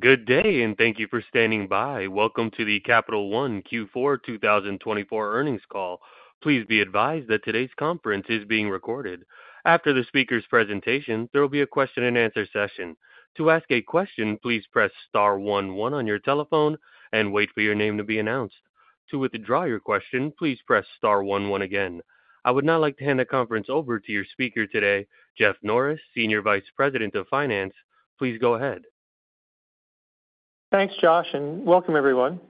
Good day, and thank you for standing by. Welcome to the Capital One Q4 2024 Earnings call. Please be advised that today's conference is being recorded. After the speaker's presentation, there will be a question-and-answer session. To ask a question, please press star one-one on your telephone and wait for your name to be announced. To withdraw your question, please press star one-one again. I would now like to hand the conference over to your speaker today, Jeff Norris, Senior Vice President of Finance. Please go ahead. Thanks, Josh, and welcome, everyone.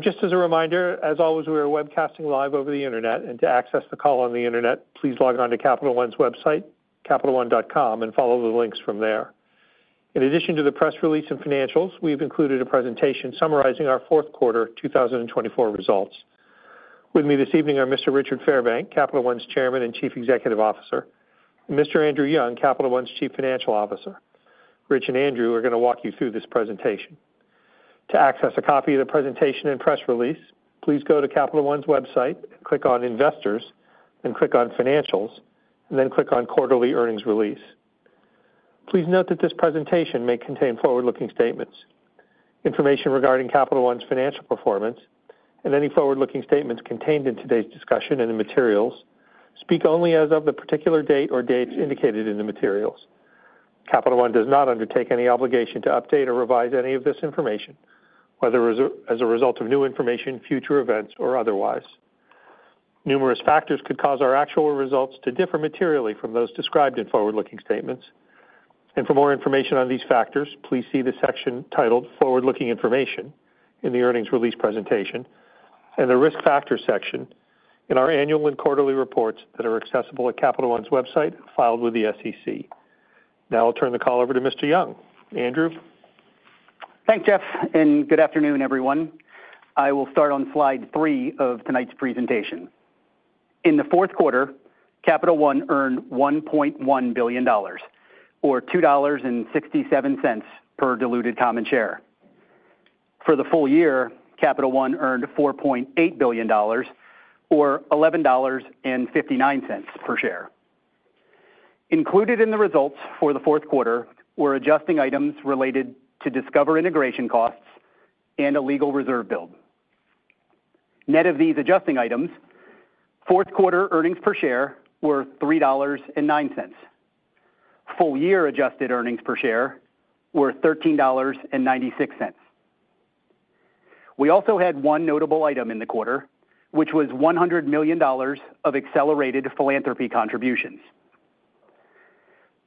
Just as a reminder, as always, we are webcasting live over the internet, and to access the call on the internet, please log on to Capital One's website, capitalone.com, and follow the links from there. In addition to the press release and financials, we've included a presentation summarizing our Q4 2024 results. With me this evening are Mr. Richard Fairbank, Capital One's Chairman and Chief Executive Officer, and Mr. Andrew Young, Capital One's Chief Financial Officer. Rich and Andrew are going to walk you through this presentation. To access a copy of the presentation and press release, please go to Capital One's website, click on Investors, then click on Financials, and then click on Quarterly Earnings Release. Please note that this presentation may contain forward-looking statements. Information regarding Capital One's financial performance and any forward-looking statements contained in today's discussion and the materials speak only as of the particular date or dates indicated in the materials. Capital One does not undertake any obligation to update or revise any of this information, whether as a result of new information, future events, or otherwise. Numerous factors could cause our actual results to differ materially from those described in forward-looking statements. For more information on these factors, please see the section titled Forward-Looking Information in the earnings release presentation and the Risk Factors section in our annual and quarterly reports that are accessible at Capital One's website filed with the SEC. Now I'll turn the call over to Mr. Young. Andrew. Thanks, Jeff, and good afternoon, everyone. I will start on slide three of tonight's presentation. In the Q4, Capital One earned $1.1 billion, or $2.67 per diluted common share. For the full year, Capital One earned $4.8 billion, or $11.59 per share. Included in the results for the Q4 were adjusting items related to Discover integration costs and a legal reserve build. Net of these adjusting items, Q4 earnings per share were $3.09. Full-year adjusted earnings per share were $13.96. We also had one notable item in the quarter, which was $100 million of accelerated philanthropy contributions.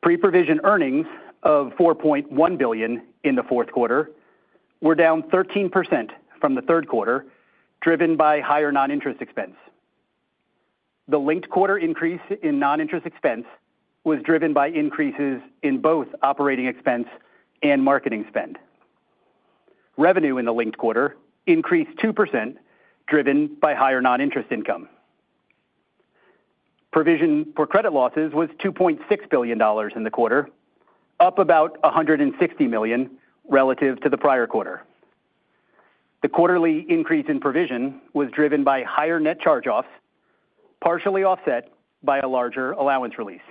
Pre-provision earnings of $4.1 billion in the Q4 were down 13% from the third quarter, driven by higher non-interest expense. The linked quarter increase in non-interest expense was driven by increases in both operating expense and marketing spend. Revenue in the linked quarter increased 2%, driven by higher non-interest income. Provision for credit losses was $2.6 billion in the quarter, up about $160 million relative to the prior quarter. The quarterly increase in provision was driven by higher net charge-offs, partially offset by a larger allowance release.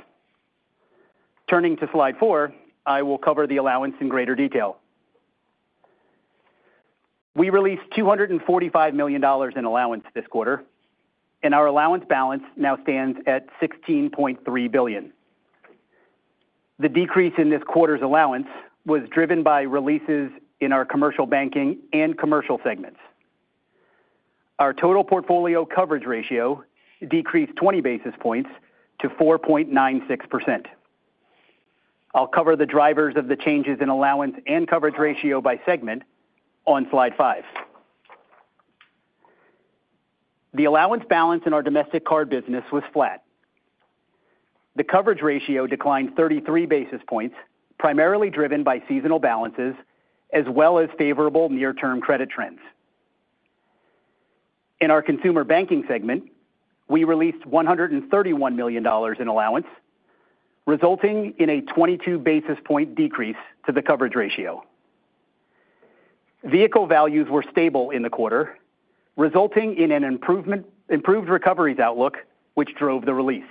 Turning to slide four, I will cover the allowance in greater detail. We released $245 million in allowance this quarter, and our allowance balance now stands at $16.3 billion. The decrease in this quarter's allowance was driven by releases in our commercial banking and commercial segments. Our total portfolio coverage ratio decreased 20 basis points to 4.96%. I'll cover the drivers of the changes in allowance and coverage ratio by segment on slide five. The allowance balance in our domestic card business was flat. The coverage ratio declined 33 basis points, primarily driven by seasonal balances as well as favorable near-term credit trends. In our consumer banking segment, we released $131 million in allowance, resulting in a 22 basis point decrease to the coverage ratio. Vehicle values were stable in the quarter, resulting in an improved recovery outlook, which drove the release.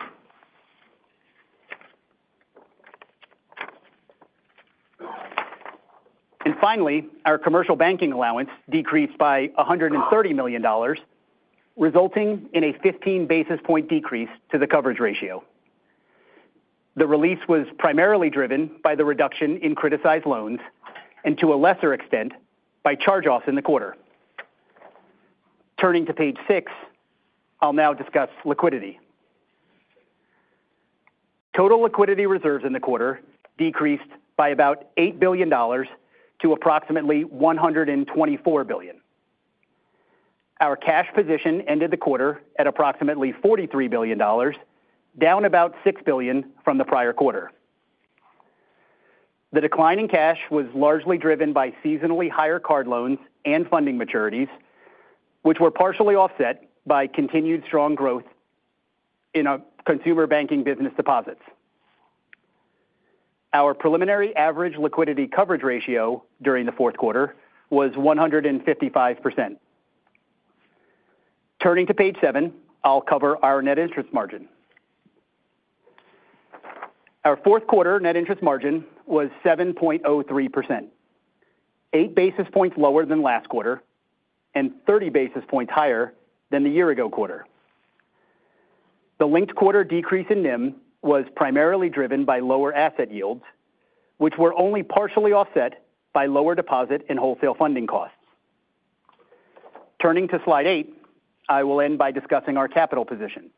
And finally, our commercial banking allowance decreased by $130 million, resulting in a 15 basis point decrease to the coverage ratio. The release was primarily driven by the reduction in criticized loans and, to a lesser extent, by charge-offs in the quarter. Turning to page six, I'll now discuss liquidity. Total liquidity reserves in the quarter decreased by about $8 billion to approximately $124 billion. Our cash position ended the quarter at approximately $43 billion, down about $6 billion from the prior quarter. The decline in cash was largely driven by seasonally higher card loans and funding maturities, which were partially offset by continued strong growth in our consumer banking business deposits. Our preliminary average liquidity coverage ratio during the Q4 was 155%. Turning to page seven, I'll cover our net interest margin. Our Q4 net interest margin was 7.03%, eight basis points lower than last quarter and 30 basis points higher than the year-ago quarter. The linked quarter decrease in NIM was primarily driven by lower asset yields, which were only partially offset by lower deposit and wholesale funding costs. Turning to slide eight, I will end by discussing our capital position.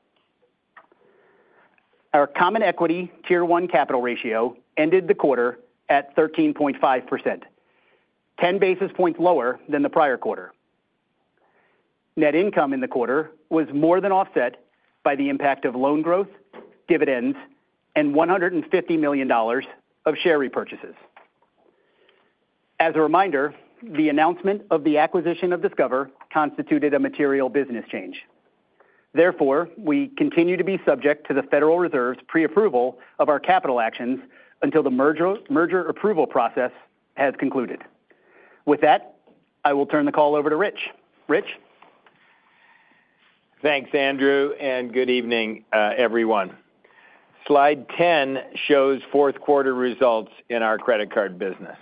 Our Common Equity Tier 1 capital ratio ended the quarter at 13.5%, 10 basis points lower than the prior quarter. Net income in the quarter was more than offset by the impact of loan growth, dividends, and $150 million of share repurchases. As a reminder, the announcement of the acquisition of Discover constituted a material business change. Therefore, we continue to be subject to the Federal Reserve's pre-approval of our capital actions until the merger approval process has concluded. With that, I will turn the call over to Rich. Rich. Thanks, Andrew, and good evening, everyone. Slide 10 shows Q4 results in our credit card business.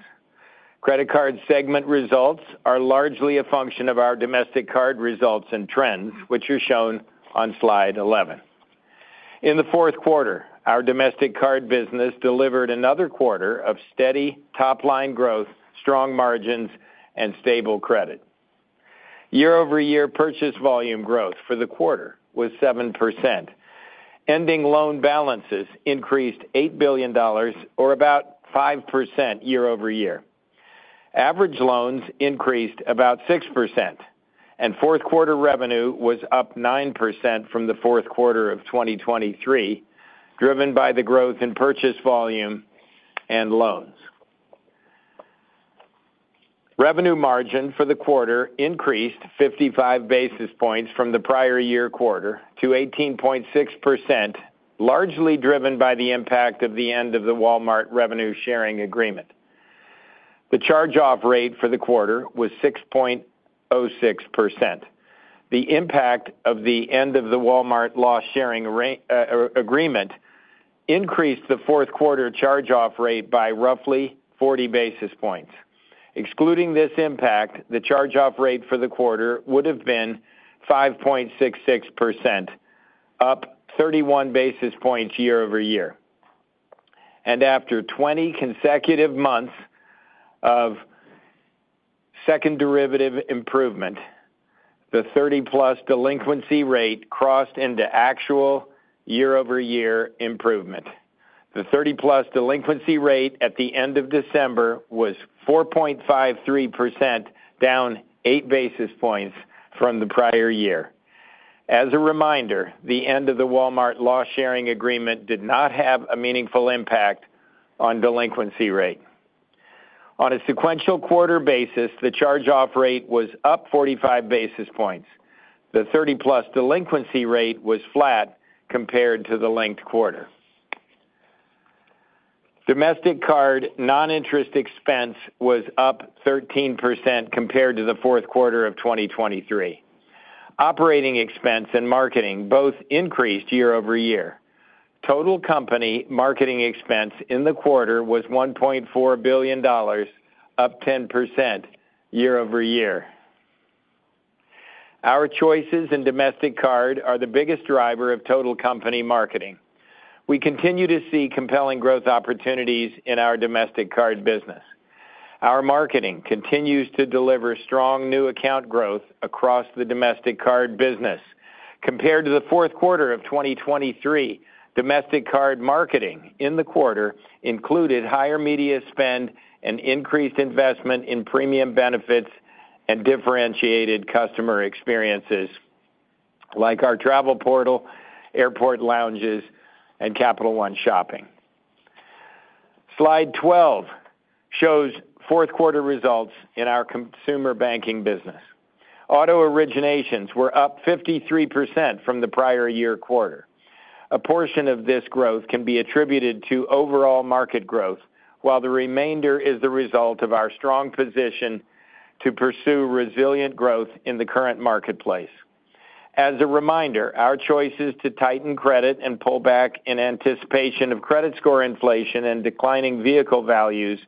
Credit card segment results are largely a function of our domestic card results and trends, which are shown on slide 11. In the Q4, our domestic card business delivered another quarter of steady top-line growth, strong margins, and stable credit. Year-over-year purchase volume growth for the quarter was 7%. Ending loan balances increased $8 billion, or about 5% year-over-year. Average loans increased about 6%, and Q4 revenue was up 9% from the Q4 of 2023, driven by the growth in purchase volume and loans. Revenue margin for the quarter increased 55 basis points from the prior year quarter to 18.6%, largely driven by the impact of the end of the Walmart revenue sharing agreement. The charge-off rate for the quarter was 6.06%. The impact of the end of the Walmart loss sharing agreement increased the Q4 charge-off rate by roughly 40 basis points. Excluding this impact, the charge-off rate for the quarter would have been 5.66%, up 31 basis points year-over-year, and after 20 consecutive months of second derivative improvement, the 30-plus delinquency rate crossed into actual year-over-year improvement. The 30-plus delinquency rate at the end of December was 4.53%, down eight basis points from the prior year. As a reminder, the end of the Walmart loss sharing agreement did not have a meaningful impact on delinquency rate. On a sequential quarter basis, the charge-off rate was up 45 basis points. The 30-plus delinquency rate was flat compared to the linked quarter. Domestic card non-interest expense was up 13% compared to the Q4 of 2023. Operating expense and marketing both increased year-over-year. Total company marketing expense in the quarter was $1.4 billion, up 10% year-over-year. Our choices in domestic card are the biggest driver of total company marketing. We continue to see compelling growth opportunities in our domestic card business. Our marketing continues to deliver strong new account growth across the domestic card business. Compared to the Q4 of 2023, domestic card marketing in the quarter included higher media spend and increased investment in premium benefits and differentiated customer experiences, like our travel portal, airport lounges, and Capital One Shopping. Slide 12 shows Q4 results in our consumer banking business. Auto originations were up 53% from the prior year quarter. A portion of this growth can be attributed to overall market growth, while the remainder is the result of our strong position to pursue resilient growth in the current marketplace. As a reminder, our choices to tighten credit and pull back in anticipation of credit score inflation and declining vehicle values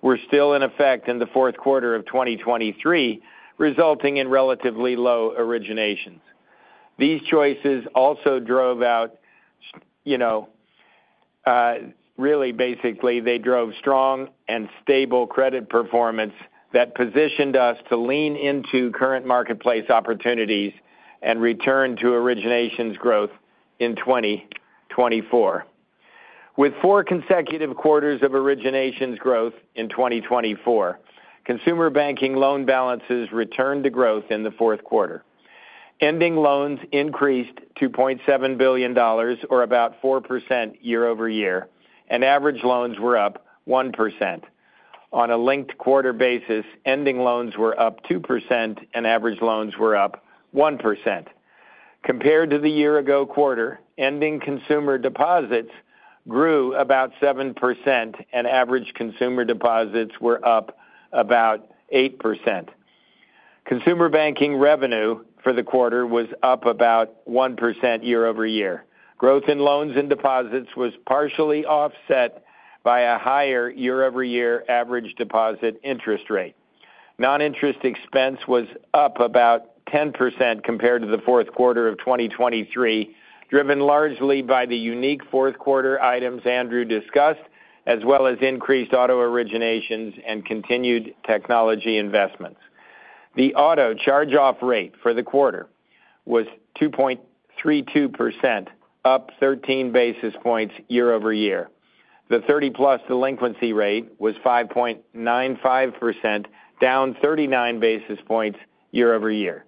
were still in effect in the Q4 of 2023, resulting in relatively low originations. These choices also drove strong and stable credit performance that positioned us to lean into current marketplace opportunities and return to originations growth in 2024. With four consecutive quarters of originations growth in 2024, consumer banking loan balances returned to growth in the Q4. Ending loans increased $2.7 billion, or about 4% year-over-year, and average loans were up 1%. On a linked quarter basis, ending loans were up 2% and average loans were up 1%. Compared to the year-ago quarter, ending consumer deposits grew about 7% and average consumer deposits were up about 8%. Consumer banking revenue for the quarter was up about 1% year-over-year. Growth in loans and deposits was partially offset by a higher year-over-year average deposit interest rate. Non-interest expense was up about 10% compared to the Q4 of 2023, driven largely by the unique Q4 items Andrew discussed, as well as increased auto originations and continued technology investments. The auto charge-off rate for the quarter was 2.32%, up 13 basis points year-over-year. The 30-plus delinquency rate was 5.95%, down 39 basis points year-over-year.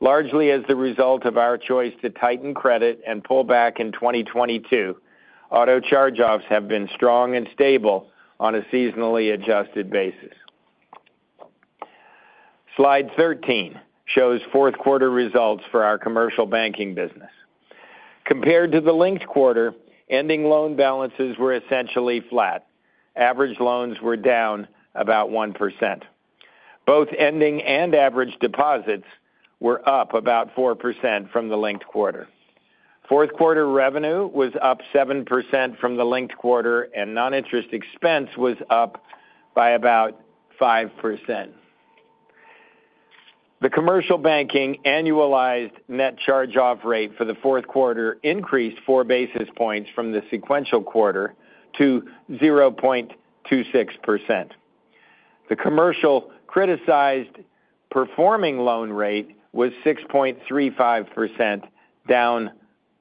Largely as the result of our choice to tighten credit and pull back in 2022, auto charge-offs have been strong and stable on a seasonally adjusted basis. Slide 13 shows Q4 results for our commercial banking business. Compared to the linked quarter, ending loan balances were essentially flat. Average loans were down about 1%. Both ending and average deposits were up about 4% from the linked quarter. Fourth quarter revenue was up 7% from the linked quarter, and non-interest expense was up by about 5%. The commercial banking annualized net charge-off rate for the Q4 increased 4 basis points from the sequential quarter to 0.26%. The commercial criticized performing loan rate was 6.35%, down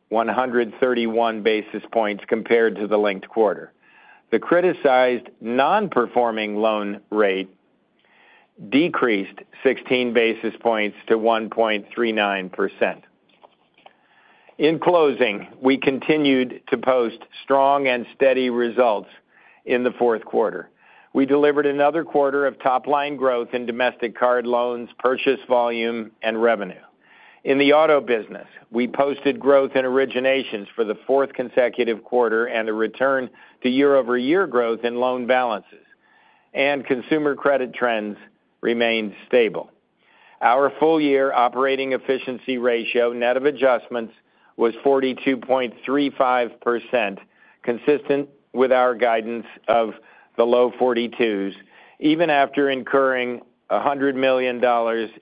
131 basis points compared to the linked quarter. The criticized non-performing loan rate decreased 16 basis points to 1.39%. In closing, we continued to post strong and steady results in the Q4. We delivered another quarter of top-line growth in domestic card loans, purchase volume, and revenue. In the auto business, we posted growth in originations for the fourth consecutive quarter and a return to year-over-year growth in loan balances, and consumer credit trends remained stable. Our full-year operating efficiency ratio net of adjustments was 42.35%, consistent with our guidance of the low 42s, even after incurring $100 million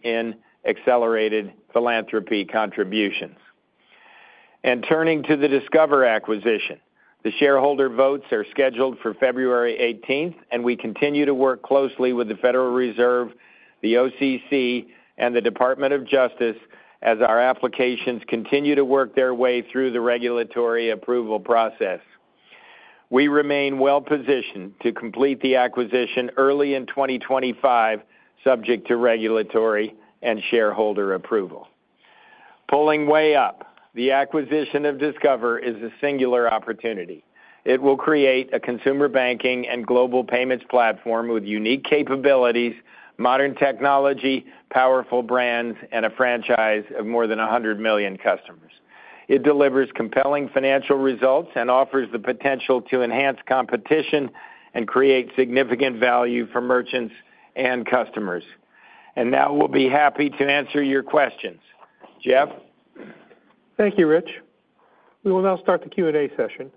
in accelerated philanthropy contributions, and turning to the Discover acquisition, the shareholder votes are scheduled for February 18th, and we continue to work closely with the Federal Reserve, the OCC, and the Department of Justice as our applications continue to work their way through the regulatory approval process. We remain well-positioned to complete the acquisition early in 2025, subject to regulatory and shareholder approval. Pulling way up, the acquisition of Discover is a singular opportunity. It will create a consumer banking and global payments platform with unique capabilities, modern technology, powerful brands, and a franchise of more than 100 million customers. It delivers compelling financial results and offers the potential to enhance competition and create significant value for merchants and customers. Now we'll be happy to answer your questions. Jeff? Thank you, Rich. We will now start the Q&A session.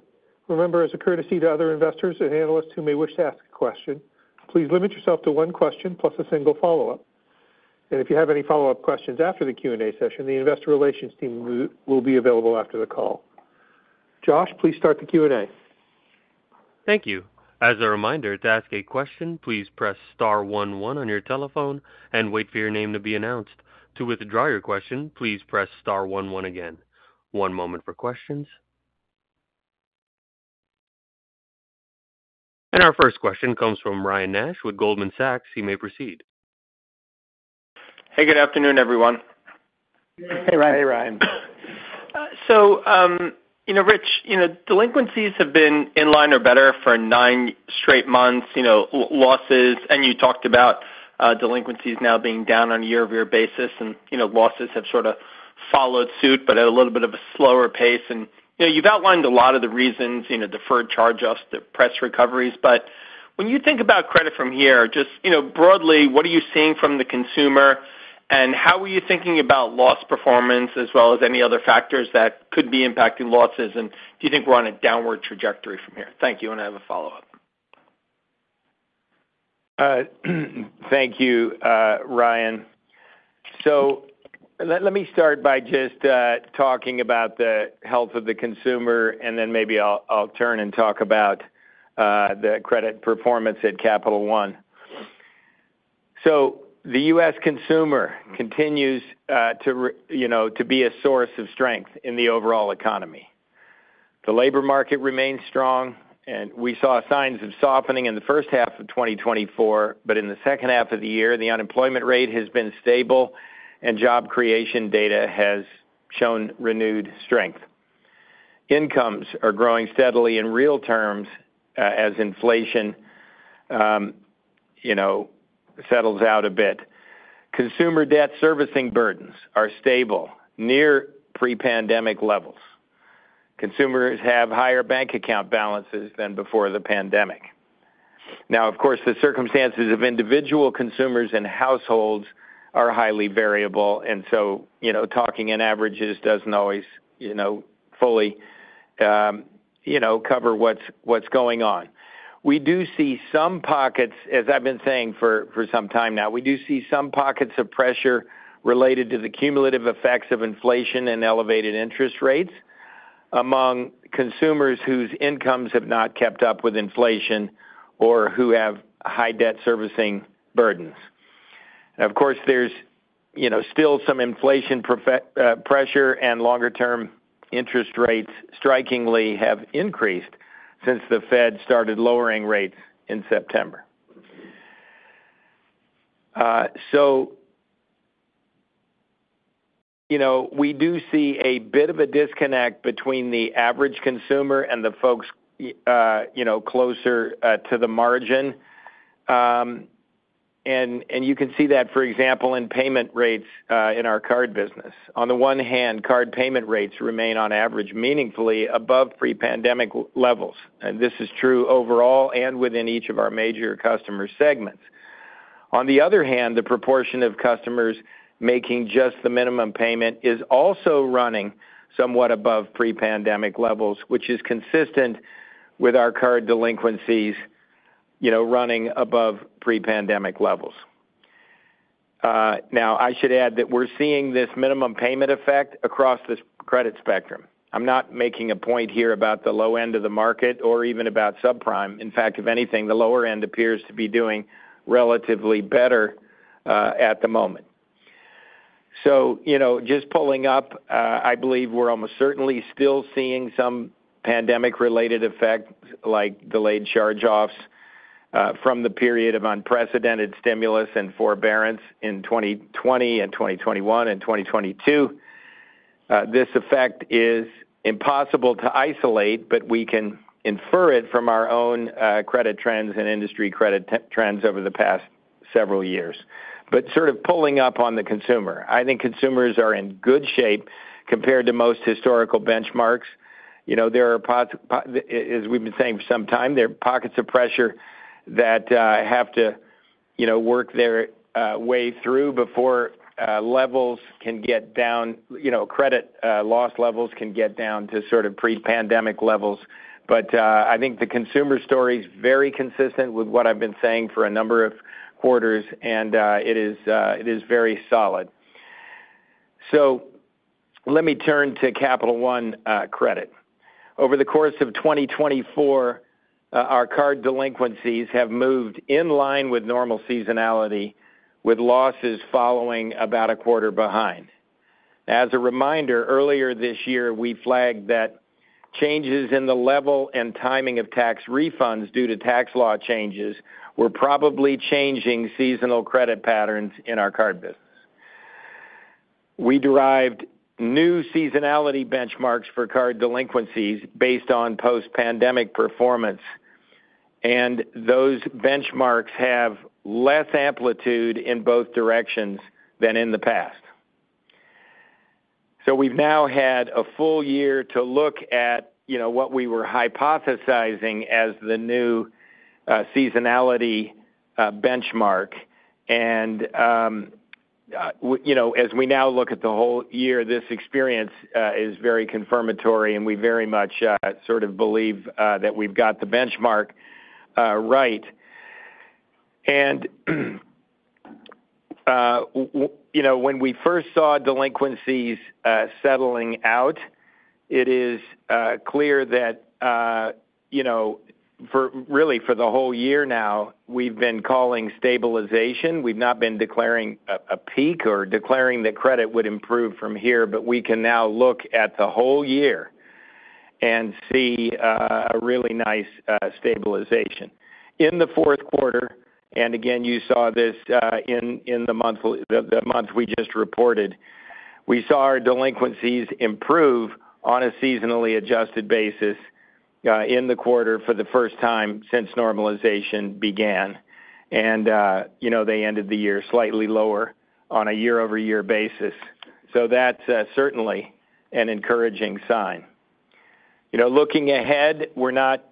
Remember, as a courtesy to other investors and analysts who may wish to ask a question, please limit yourself to one question plus a single follow-up. And if you have any follow-up questions after the Q&A session, the investor relations team will be available after the call. Josh, please start the Q&A. Thank you. As a reminder, to ask a question, please press star one one on your telephone and wait for your name to be announced. To withdraw your question, please press star one one again. One moment for questions. And our first question comes from Ryan Nash with Goldman Sachs. He may proceed. Hey, good afternoon, everyone. Hey, Ryan. So, you know, Rich, you know, delinquencies have been in line or better for nine straight months, you know, losses, and you talked about delinquencies now being down on a year-over-year basis, and, you know, losses have sort of followed suit, but at a little bit of a slower pace, and, you know, you've outlined a lot of the reasons, you know, deferred charge-offs, depressed recoveries, but when you think about credit from here, just, you know, broadly, what are you seeing from the consumer, and how are you thinking about loss performance as well as any other factors that could be impacting losses, and do you think we're on a downward trajectory from here? Thank you, and I have a follow-up. Thank you, Ryan. So let me start by just talking about the health of the consumer, and then maybe I'll turn and talk about the credit performance at Capital One. So the U.S. consumer continues to, you know, be a source of strength in the overall economy. The labor market remains strong, and we saw signs of softening in the first half of 2024, but in the second half of the year, the unemployment rate has been stable, and job creation data has shown renewed strength. Incomes are growing steadily in real terms as inflation, you know, settles out a bit. Consumer debt servicing burdens are stable, near pre-pandemic levels. Consumers have higher bank account balances than before the pandemic. Now, of course, the circumstances of individual consumers and households are highly variable, and so, you know, talking in averages doesn't always, you know, fully, you know, cover what's going on. We do see some pockets, as I've been saying for some time now, we do see some pockets of pressure related to the cumulative effects of inflation and elevated interest rates among consumers whose incomes have not kept up with inflation or who have high debt servicing burdens. Of course, there's, you know, still some inflation pressure, and longer-term interest rates strikingly have increased since the Fed started lowering rates in September. So, you know, we do see a bit of a disconnect between the average consumer and the folks, you know, closer to the margin. And you can see that, for example, in payment rates in our card business. On the one hand, card payment rates remain on average meaningfully above pre-pandemic levels, and this is true overall and within each of our major customer segments. On the other hand, the proportion of customers making just the minimum payment is also running somewhat above pre-pandemic levels, which is consistent with our card delinquencies, you know, running above pre-pandemic levels. Now, I should add that we're seeing this minimum payment effect across this credit spectrum. I'm not making a point here about the low end of the market or even about subprime. In fact, if anything, the lower end appears to be doing relatively better at the moment. So, you know, just pulling up, I believe we're almost certainly still seeing some pandemic-related effects, like delayed charge-offs from the period of unprecedented stimulus and forbearance in 2020 and 2021 and 2022. This effect is impossible to isolate, but we can infer it from our own credit trends and industry credit trends over the past several years. But sort of pulling up on the consumer, I think consumers are in good shape compared to most historical benchmarks. You know, there are, as we've been saying for some time, there are pockets of pressure that have to, you know, work their way through before levels can get down, you know, credit loss levels can get down to sort of pre-pandemic levels. But I think the consumer story is very consistent with what I've been saying for a number of quarters, and it is very solid. So let me turn to Capital One Credit. Over the course of 2024, our card delinquencies have moved in line with normal seasonality, with losses following about a quarter behind. As a reminder, earlier this year, we flagged that changes in the level and timing of tax refunds due to tax law changes were probably changing seasonal credit patterns in our card business. We derived new seasonality benchmarks for card delinquencies based on post-pandemic performance, and those benchmarks have less amplitude in both directions than in the past. So we've now had a full year to look at, you know, what we were hypothesizing as the new seasonality benchmark. And, you know, as we now look at the whole year, this experience is very confirmatory, and we very much sort of believe that we've got the benchmark right. And, you know, when we first saw delinquencies settling out, it is clear that, you know, for really for the whole year now, we've been calling stabilization. We've not been declaring a peak or declaring that credit would improve from here, but we can now look at the whole year and see a really nice stabilization. In the Q4, and again, you saw this in the month we just reported, we saw our delinquencies improve on a seasonally adjusted basis in the quarter for the first time since normalization began, and you know, they ended the year slightly lower on a year-over-year basis, so that's certainly an encouraging sign. You know, looking ahead, we're not,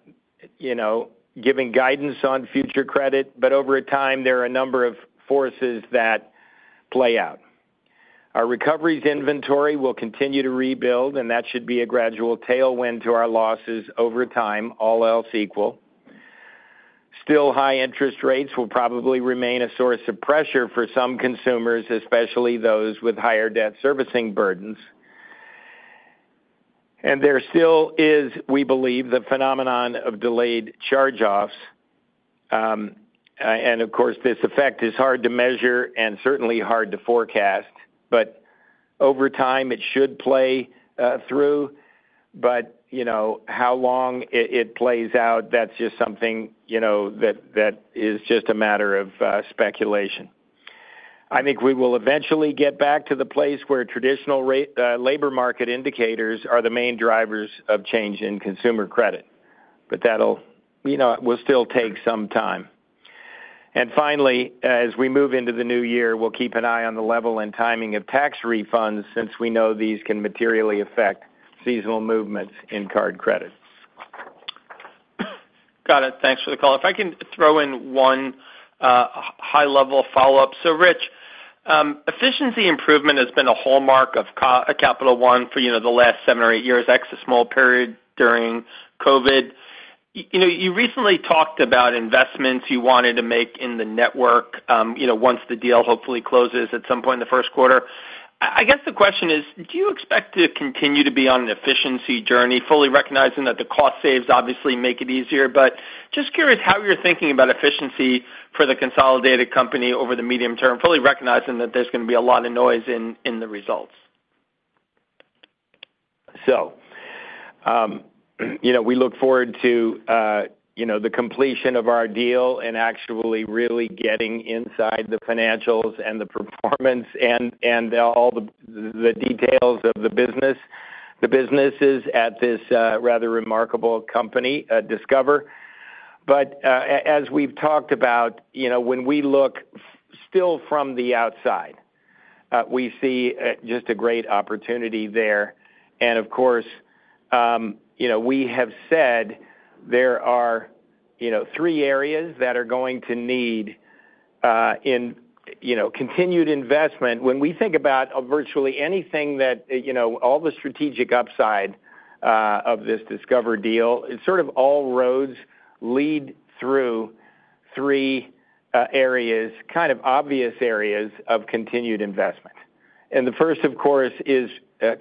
you know, giving guidance on future credit, but over time, there are a number of forces that play out. Our recoveries inventory will continue to rebuild, and that should be a gradual tailwind to our losses over time, all else equal. Still, high interest rates will probably remain a source of pressure for some consumers, especially those with higher debt servicing burdens. And there still is, we believe, the phenomenon of delayed charge-offs. And, of course, this effect is hard to measure and certainly hard to forecast, but over time, it should play through. But, you know, how long it plays out, that's just something, you know, that is just a matter of speculation. I think we will eventually get back to the place where traditional labor market indicators are the main drivers of change in consumer credit, but that'll, you know, will still take some time. And finally, as we move into the new year, we'll keep an eye on the level and timing of tax refunds since we know these can materially affect seasonal movements in credit card. Got it. Thanks for the call. If I can throw in one high-level follow-up. So, Rich, efficiency improvement has been a hallmark of Capital One for, you know, the last seven or eight years, except a small period during COVID. You know, you recently talked about investments you wanted to make in the network, you know, once the deal hopefully closes at some point in the first quarter. I guess the question is, do you expect to continue to be on an efficiency journey, fully recognizing that the cost savings obviously make it easier, but just curious how you're thinking about efficiency for the consolidated company over the medium term, fully recognizing that there's going to be a lot of noise in the results? So, you know, we look forward to, you know, the completion of our deal and actually really getting inside the financials and the performance and all the details of the business. The business is at this rather remarkable company, Discover. But as we've talked about, you know, when we look still from the outside, we see just a great opportunity there. And, of course, you know, we have said there are, you know, three areas that are going to need, you know, continued investment. When we think about virtually anything that, you know, all the strategic upside of this Discover deal, it sort of all roads lead through three areas, kind of obvious areas of continued investment. And the first, of course, is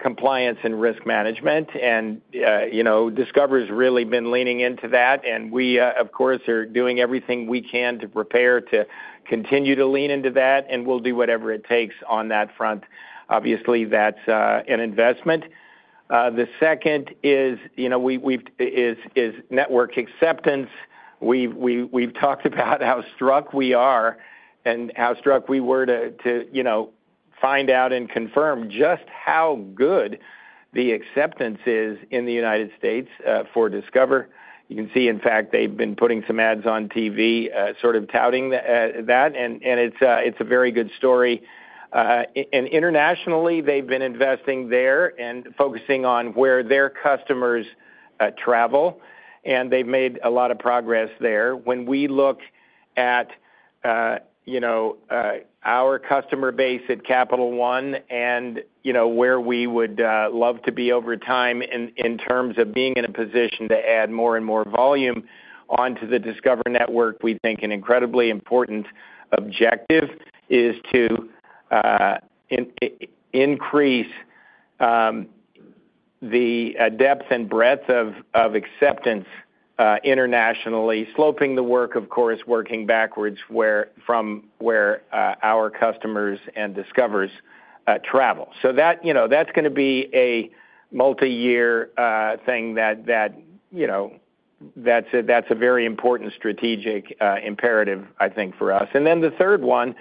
compliance and risk management. You know, Discover has really been leaning into that, and we, of course, are doing everything we can to prepare to continue to lean into that, and we'll do whatever it takes on that front. Obviously, that's an investment. The second is, you know, network acceptance. We've talked about how struck we are and how struck we were to, you know, find out and confirm just how good the acceptance is in the United States for Discover. You can see, in fact, they've been putting some ads on TV sort of touting that, and it's a very good story. Internationally, they've been investing there and focusing on where their customers travel, and they've made a lot of progress there. When we look at, you know, our customer base at Capital One and, you know, where we would love to be over time in terms of being in a position to add more and more volume onto the Discover network, we think an incredibly important objective is to increase the depth and breadth of acceptance internationally, scoping the work, of course, working backwards from where our customers and Discover's travel. So that, you know, that's going to be a multi-year thing that, you know, that's a very important strategic imperative, I think, for us. And then the third one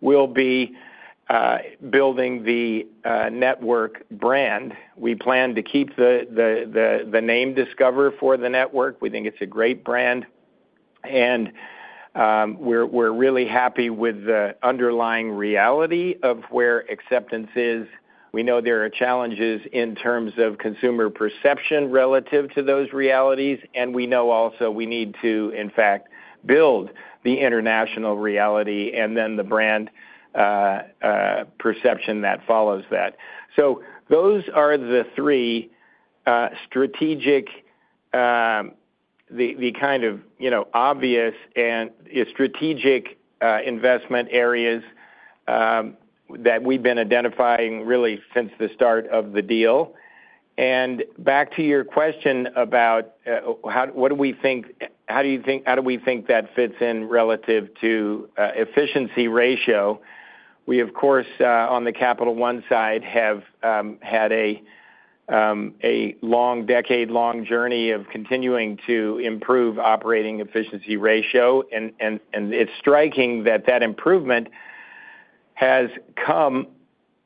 will be building the network brand. We plan to keep the name Discover for the network. We think it's a great brand, and we're really happy with the underlying reality of where acceptance is. We know there are challenges in terms of consumer perception relative to those realities, and we know also we need to, in fact, build the international reality and then the brand perception that follows that. So those are the three strategic, the kind of, you know, obvious and strategic investment areas that we've been identifying really since the start of the deal. And back to your question about what do we think, how do you think, how do we think that fits in relative to efficiency ratio? We, of course, on the Capital One side have had a long, decade-long journey of continuing to improve operating efficiency ratio, and it's striking that that improvement has come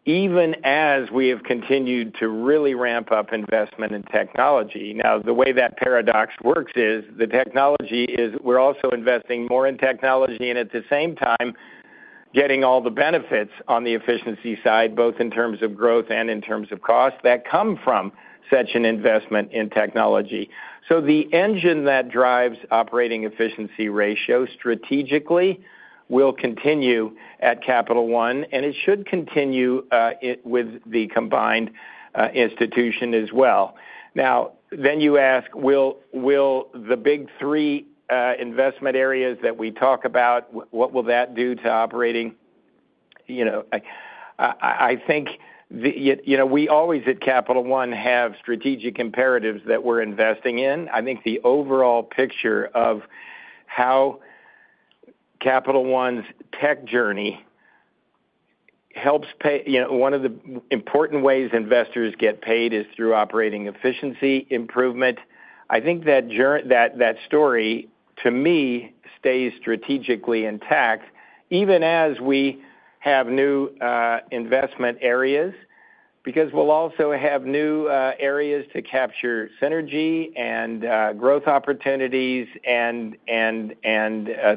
even as we have continued to really ramp up investment in technology. Now, the way that paradox works is the technology is we're also investing more in technology and at the same time getting all the benefits on the efficiency side, both in terms of growth and in terms of cost that come from such an investment in technology. So the engine that drives operating efficiency ratio strategically will continue at Capital One, and it should continue with the combined institution as well. Now, then you ask, will the big three investment areas that we talk about, what will that do to operating? You know, I think, you know, we always at Capital One have strategic imperatives that we're investing in. I think the overall picture of how Capital One's tech journey helps pay, you know, one of the important ways investors get paid is through operating efficiency improvement. I think that story, to me, stays strategically intact even as we have new investment areas because we'll also have new areas to capture synergy and growth opportunities and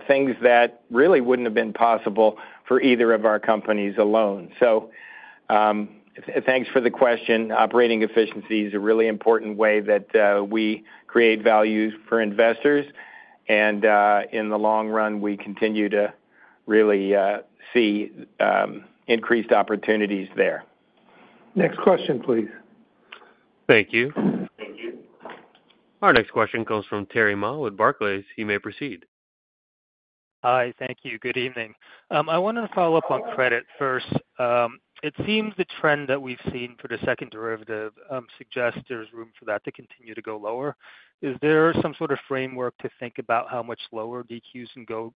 things that really wouldn't have been possible for either of our companies alone. So thanks for the question. Operating efficiency is a really important way that we create value for investors, and in the long run, we continue to really see increased opportunities there. Next question, please. Thank you. Thank you. Our next question comes from Terry Ma with Barclays. He may proceed. Hi, thank you. Good evening. I wanted to follow up on credit first. It seems the trend that we've seen for the second derivative suggests there's room for that to continue to go lower. Is there some sort of framework to think about how much lower DQs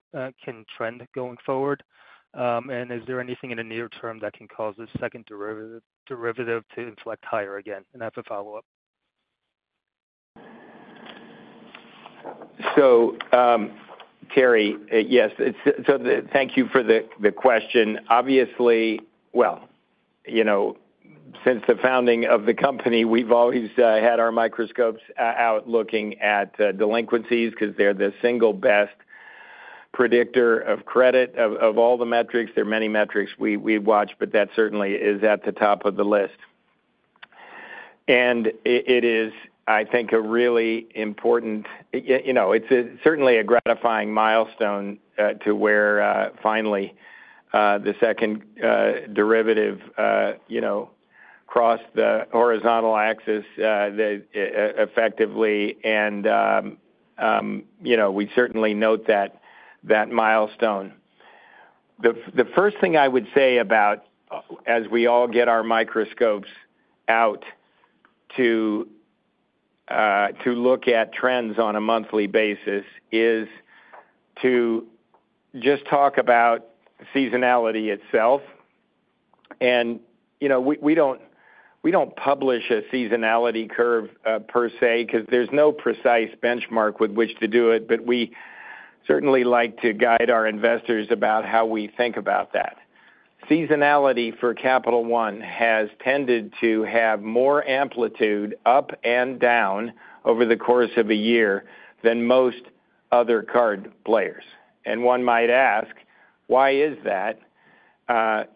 can trend going forward? And is there anything in the near term that can cause the second derivative to inflect higher again? And that's a follow-up. So, Terry, yes. So thank you for the question. Obviously, well, you know, since the founding of the company, we've always had our microscopes out looking at delinquencies because they're the single best predictor of credit of all the metrics. There are many metrics we watch, but that certainly is at the top of the list. And it is, I think, a really important, you know, it's certainly a gratifying milestone to where finally the second derivative, you know, crossed the horizontal axis effectively. And, you know, we certainly note that milestone. The first thing I would say about as we all get our microscopes out to look at trends on a monthly basis is to just talk about seasonality itself. You know, we don't publish a seasonality curve per se because there's no precise benchmark with which to do it, but we certainly like to guide our investors about how we think about that. Seasonality for Capital One has tended to have more amplitude up and down over the course of a year than most other card players. One might ask, why is that?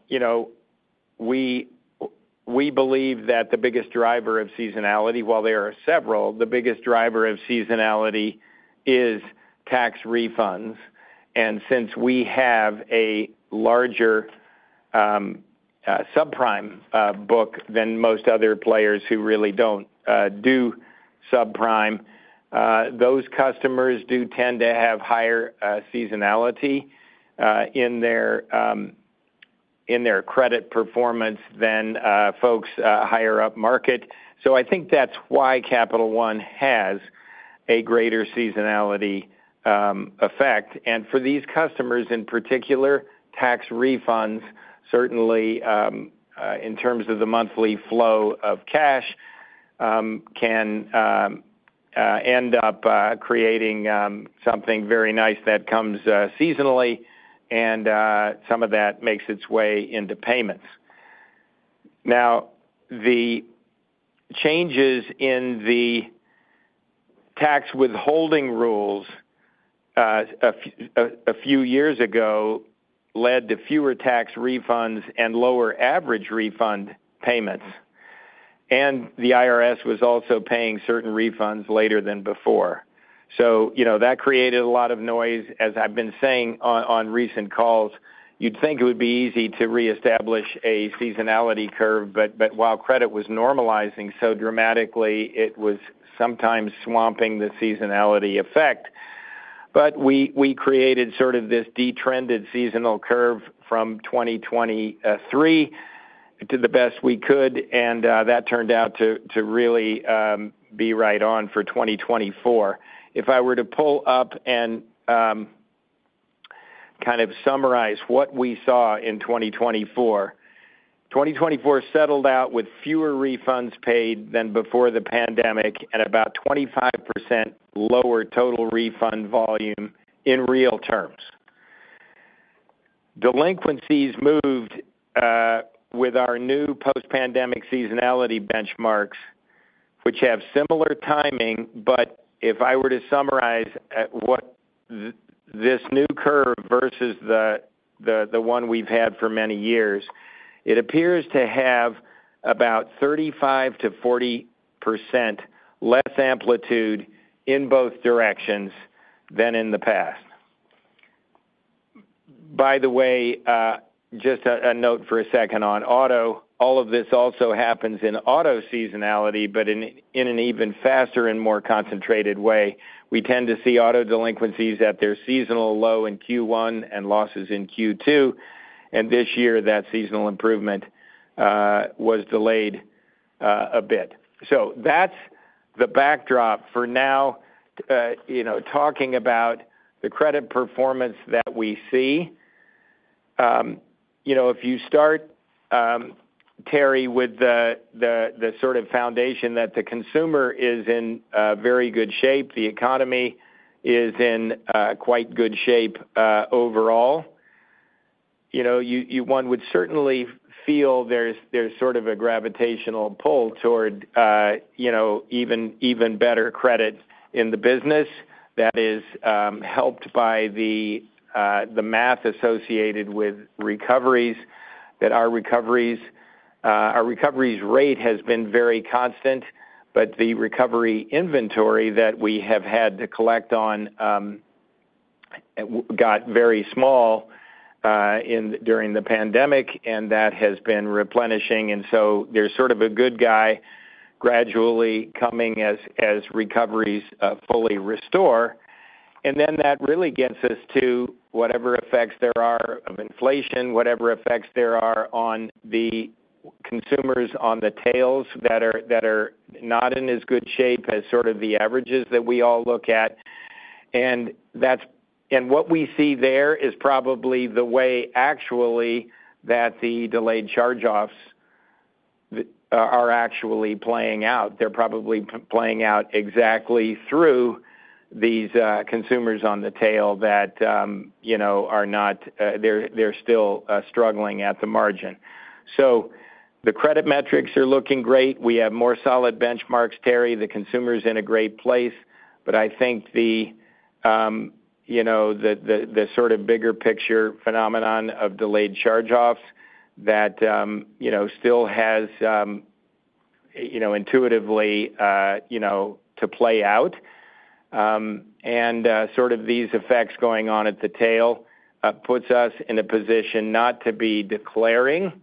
You know, we believe that the biggest driver of seasonality, while there are several, the biggest driver of seasonality is tax refunds. Since we have a larger subprime book than most other players who really don't do subprime, those customers do tend to have higher seasonality in their credit performance than folks higher up market. I think that's why Capital One has a greater seasonality effect. And for these customers in particular, tax refunds certainly in terms of the monthly flow of cash can end up creating something very nice that comes seasonally, and some of that makes its way into payments. Now, the changes in the tax withholding rules a few years ago led to fewer tax refunds and lower average refund payments. And the IRS was also paying certain refunds later than before. So, you know, that created a lot of noise. As I've been saying on recent calls, you'd think it would be easy to reestablish a seasonality curve, but while credit was normalizing so dramatically, it was sometimes swamping the seasonality effect. But we created sort of this detrended seasonal curve from 2023 to the best we could, and that turned out to really be right on for 2024. If I were to pull up and kind of summarize what we saw in 2024, 2024 settled out with fewer refunds paid than before the pandemic and about 25% lower total refund volume in real terms. Delinquencies moved with our new post-pandemic seasonality benchmarks, which have similar timing, but if I were to summarize what this new curve versus the one we've had for many years, it appears to have about 35%-40% less amplitude in both directions than in the past. By the way, just a note for a second on auto, all of this also happens in auto seasonality, but in an even faster and more concentrated way. We tend to see auto delinquencies at their seasonal low in Q1 and losses in Q2, and this year that seasonal improvement was delayed a bit. So that's the backdrop for now, you know, talking about the credit performance that we see. You know, if you start, Terry, with the sort of foundation that the consumer is in very good shape, the economy is in quite good shape overall, you know, one would certainly feel there's sort of a gravitational pull toward, you know, even better credit in the business. That is helped by the math associated with recoveries that our recoveries rate has been very constant, but the recovery inventory that we have had to collect on got very small during the pandemic, and that has been replenishing. And so there's sort of a good tide gradually coming as recoveries fully restore. And then that really gets us to whatever effects there are of inflation, whatever effects there are on the consumers on the tails that are not in as good shape as sort of the averages that we all look at. And what we see there is probably the way actually that the delayed charge-offs are actually playing out. They're probably playing out exactly through these consumers on the tail that, you know, are not, they're still struggling at the margin. So the credit metrics are looking great. We have more solid benchmarks, Terry. The consumer is in a great place, but I think the, you know, the sort of bigger picture phenomenon of delayed charge-offs that, you know, still has, you know, intuitively, you know, to play out. And sort of these effects going on at the tail puts us in a position not to be declaring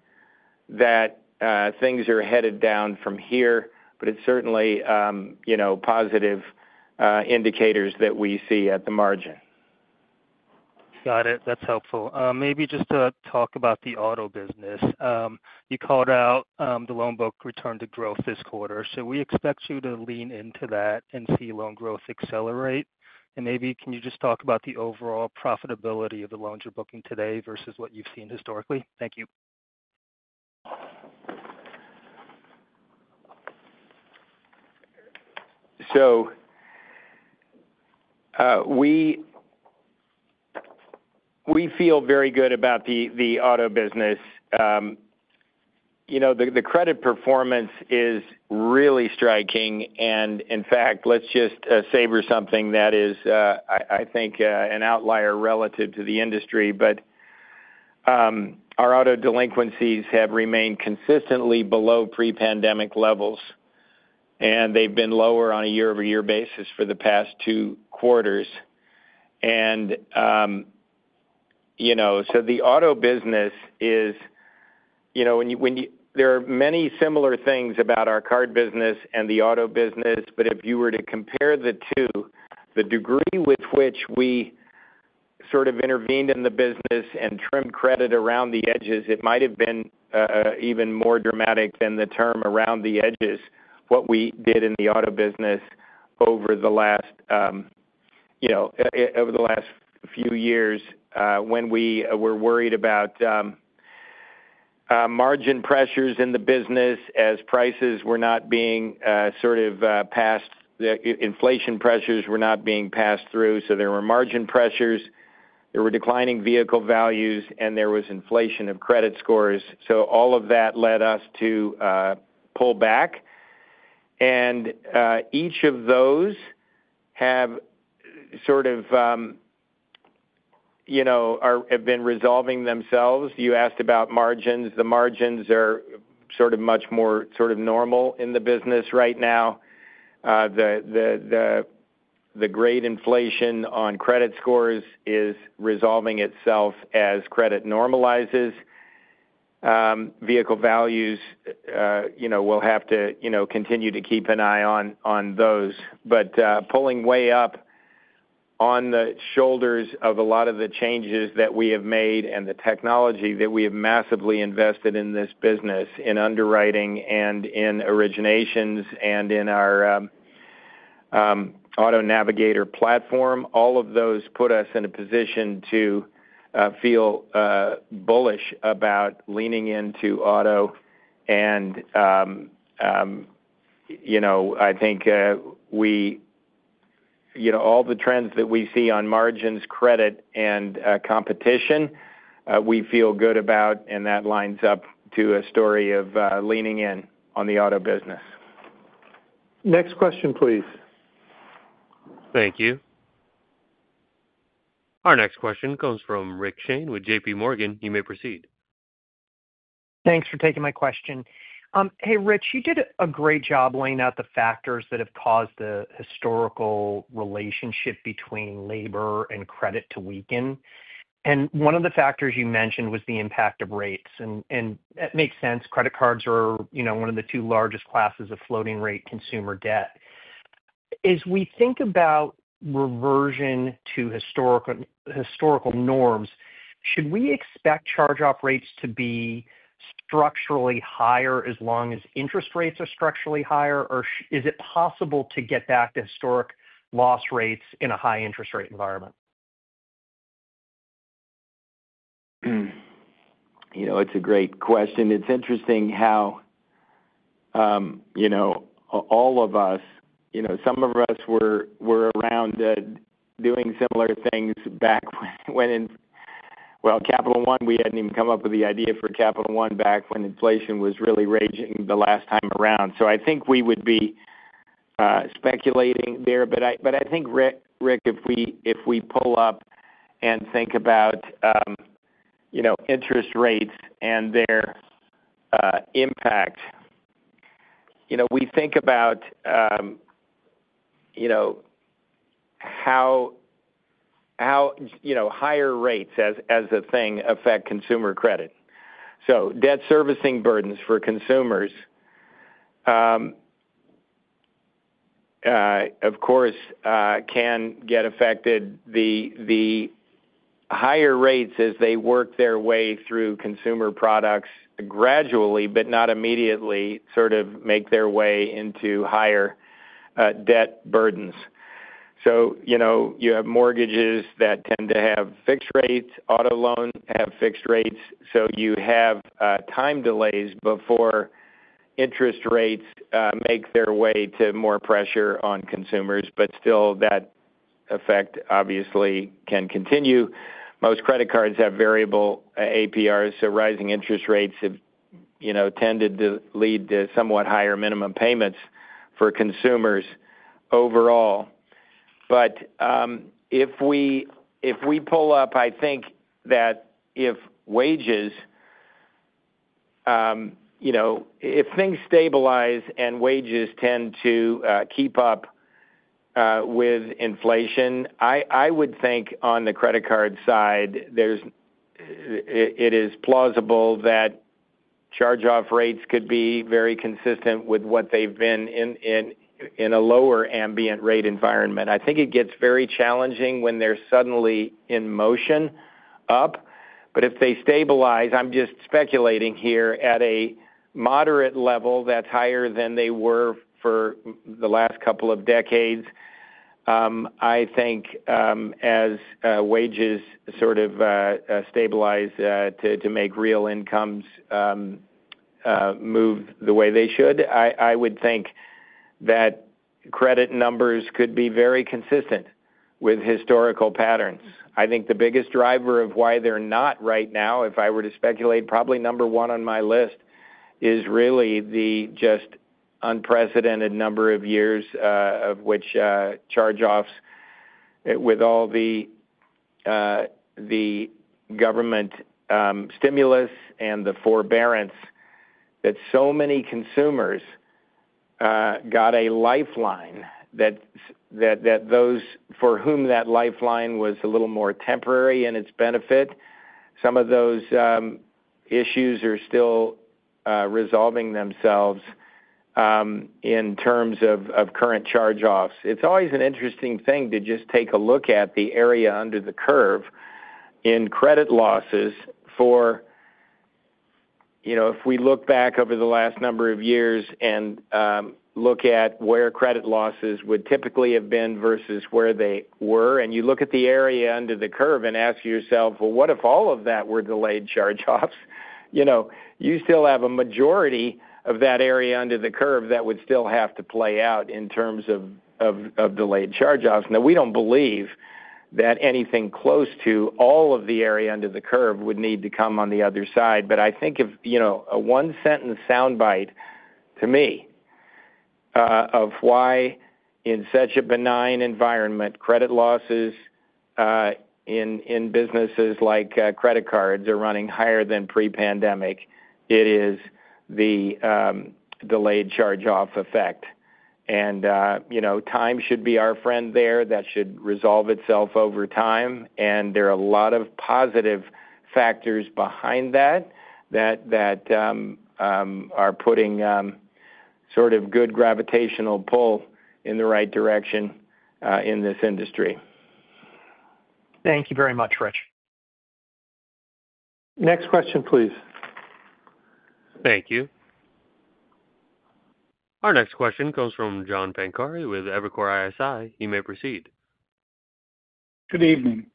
that things are headed down from here, but it's certainly, you know, positive indicators that we see at the margin. Got it. That's helpful. Maybe just to talk about the auto business. You called out the loan book return to growth this quarter. Should we expect you to lean into that and see loan growth accelerate? And maybe can you just talk about the overall profitability of the loans you're booking today versus what you've seen historically? Thank you. So we feel very good about the auto business. You know, the credit performance is really striking. And in fact, let's just savor something that is, I think, an outlier relative to the industry, but our auto delinquencies have remained consistently below pre-pandemic levels, and they've been lower on a year-over-year basis for the past two quarters. You know, so the auto business is, you know, there are many similar things about our card business and the auto business. But if you were to compare the two, the degree with which we sort of intervened in the business and trimmed credit around the edges, it might have been even more dramatic than the trim around the edges, what we did in the auto business over the last, you know, over the last few years when we were worried about margin pressures in the business as prices were not being sort of passed, inflation pressures were not being passed through. So there were margin pressures, there were declining vehicle values, and there was inflation of credit scores. So all of that led us to pull back. Each of those have sort of, you know, have been resolving themselves. You asked about margins. The margins are sort of much more sort of normal in the business right now. The great inflation on credit scores is resolving itself as credit normalizes. Vehicle values, you know, we'll have to, you know, continue to keep an eye on those. But pulling way up on the shoulders of a lot of the changes that we have made and the technology that we have massively invested in this business, in underwriting and in originations and in our Auto Navigator platform, all of those put us in a position to feel bullish about leaning into auto. And, you know, I think we, you know, all the trends that we see on margins, credit, and competition, we feel good about, and that lines up to a story of leaning in on the auto business. Next question, please. Thank you. Our next question comes from Rick Shane with J.P. Morgan. You may proceed. Thanks for taking my question. Hey, Rick, you did a great job laying out the factors that have caused the historical relationship between labor and credit to weaken. And one of the factors you mentioned was the impact of rates. And that makes sense. Credit cards are, you know, one of the two largest classes of floating-rate consumer debt. As we think about reversion to historical norms, should we expect charge-off rates to be structurally higher as long as interest rates are structurally higher, or is it possible to get back to historic loss rates in a high-interest rate environment? You know, it's a great question. It's interesting how, you know, all of us, you know, some of us were around doing similar things back when, well, Capital One, we hadn't even come up with the idea for Capital One back when inflation was really raging the last time around. So I think we would be speculating there. But I think, Rick, if we pull up and think about, you know, interest rates and their impact, you know, we think about, you know, how, you know, higher rates as a thing affect consumer credit. So debt servicing burdens for consumers, of course, can get affected. The higher rates, as they work their way through consumer products gradually, but not immediately, sort of make their way into higher debt burdens. So, you know, you have mortgages that tend to have fixed rates. Auto loans have fixed rates. So you have time delays before interest rates make their way to more pressure on consumers. But still, that effect obviously can continue. Most credit cards have variable APRs, so rising interest rates have, you know, tended to lead to somewhat higher minimum payments for consumers overall. But if we pull up, I think that if wages, you know, if things stabilize and wages tend to keep up with inflation, I would think on the credit card side, it is plausible that charge-off rates could be very consistent with what they've been in a lower ambient rate environment. I think it gets very challenging when they're suddenly in motion up. But if they stabilize, I'm just speculating here at a moderate level that's higher than they were for the last couple of decades. I think as wages sort of stabilize to make real incomes move the way they should, I would think that credit numbers could be very consistent with historical patterns. I think the biggest driver of why they're not right now, if I were to speculate, probably number one on my list is really the just unprecedented number of years of which charge-offs with all the government stimulus and the forbearance that so many consumers got a lifeline, that those for whom that lifeline was a little more temporary in its benefit, some of those issues are still resolving themselves in terms of current charge-offs. It's always an interesting thing to just take a look at the area under the curve in credit losses for, you know, if we look back over the last number of years and look at where credit losses would typically have been versus where they were, and you look at the area under the curve and ask yourself, well, what if all of that were delayed charge-offs? You know, you still have a majority of that area under the curve that would still have to play out in terms of delayed charge-offs. Now, we don't believe that anything close to all of the area under the curve would need to come on the other side. I think if, you know, a one-sentence soundbite to me of why in such a benign environment credit losses in businesses like credit cards are running higher than pre-pandemic, it is the delayed charge-off effect. You know, time should be our friend there. That should resolve itself over time. There are a lot of positive factors behind that that are putting sort of good gravitational pull in the right direction in this industry. Thank you very much, Rich. Next question, please. Thank you. Our next question comes from John Pancari with Evercore ISI. You may proceed. Good evening.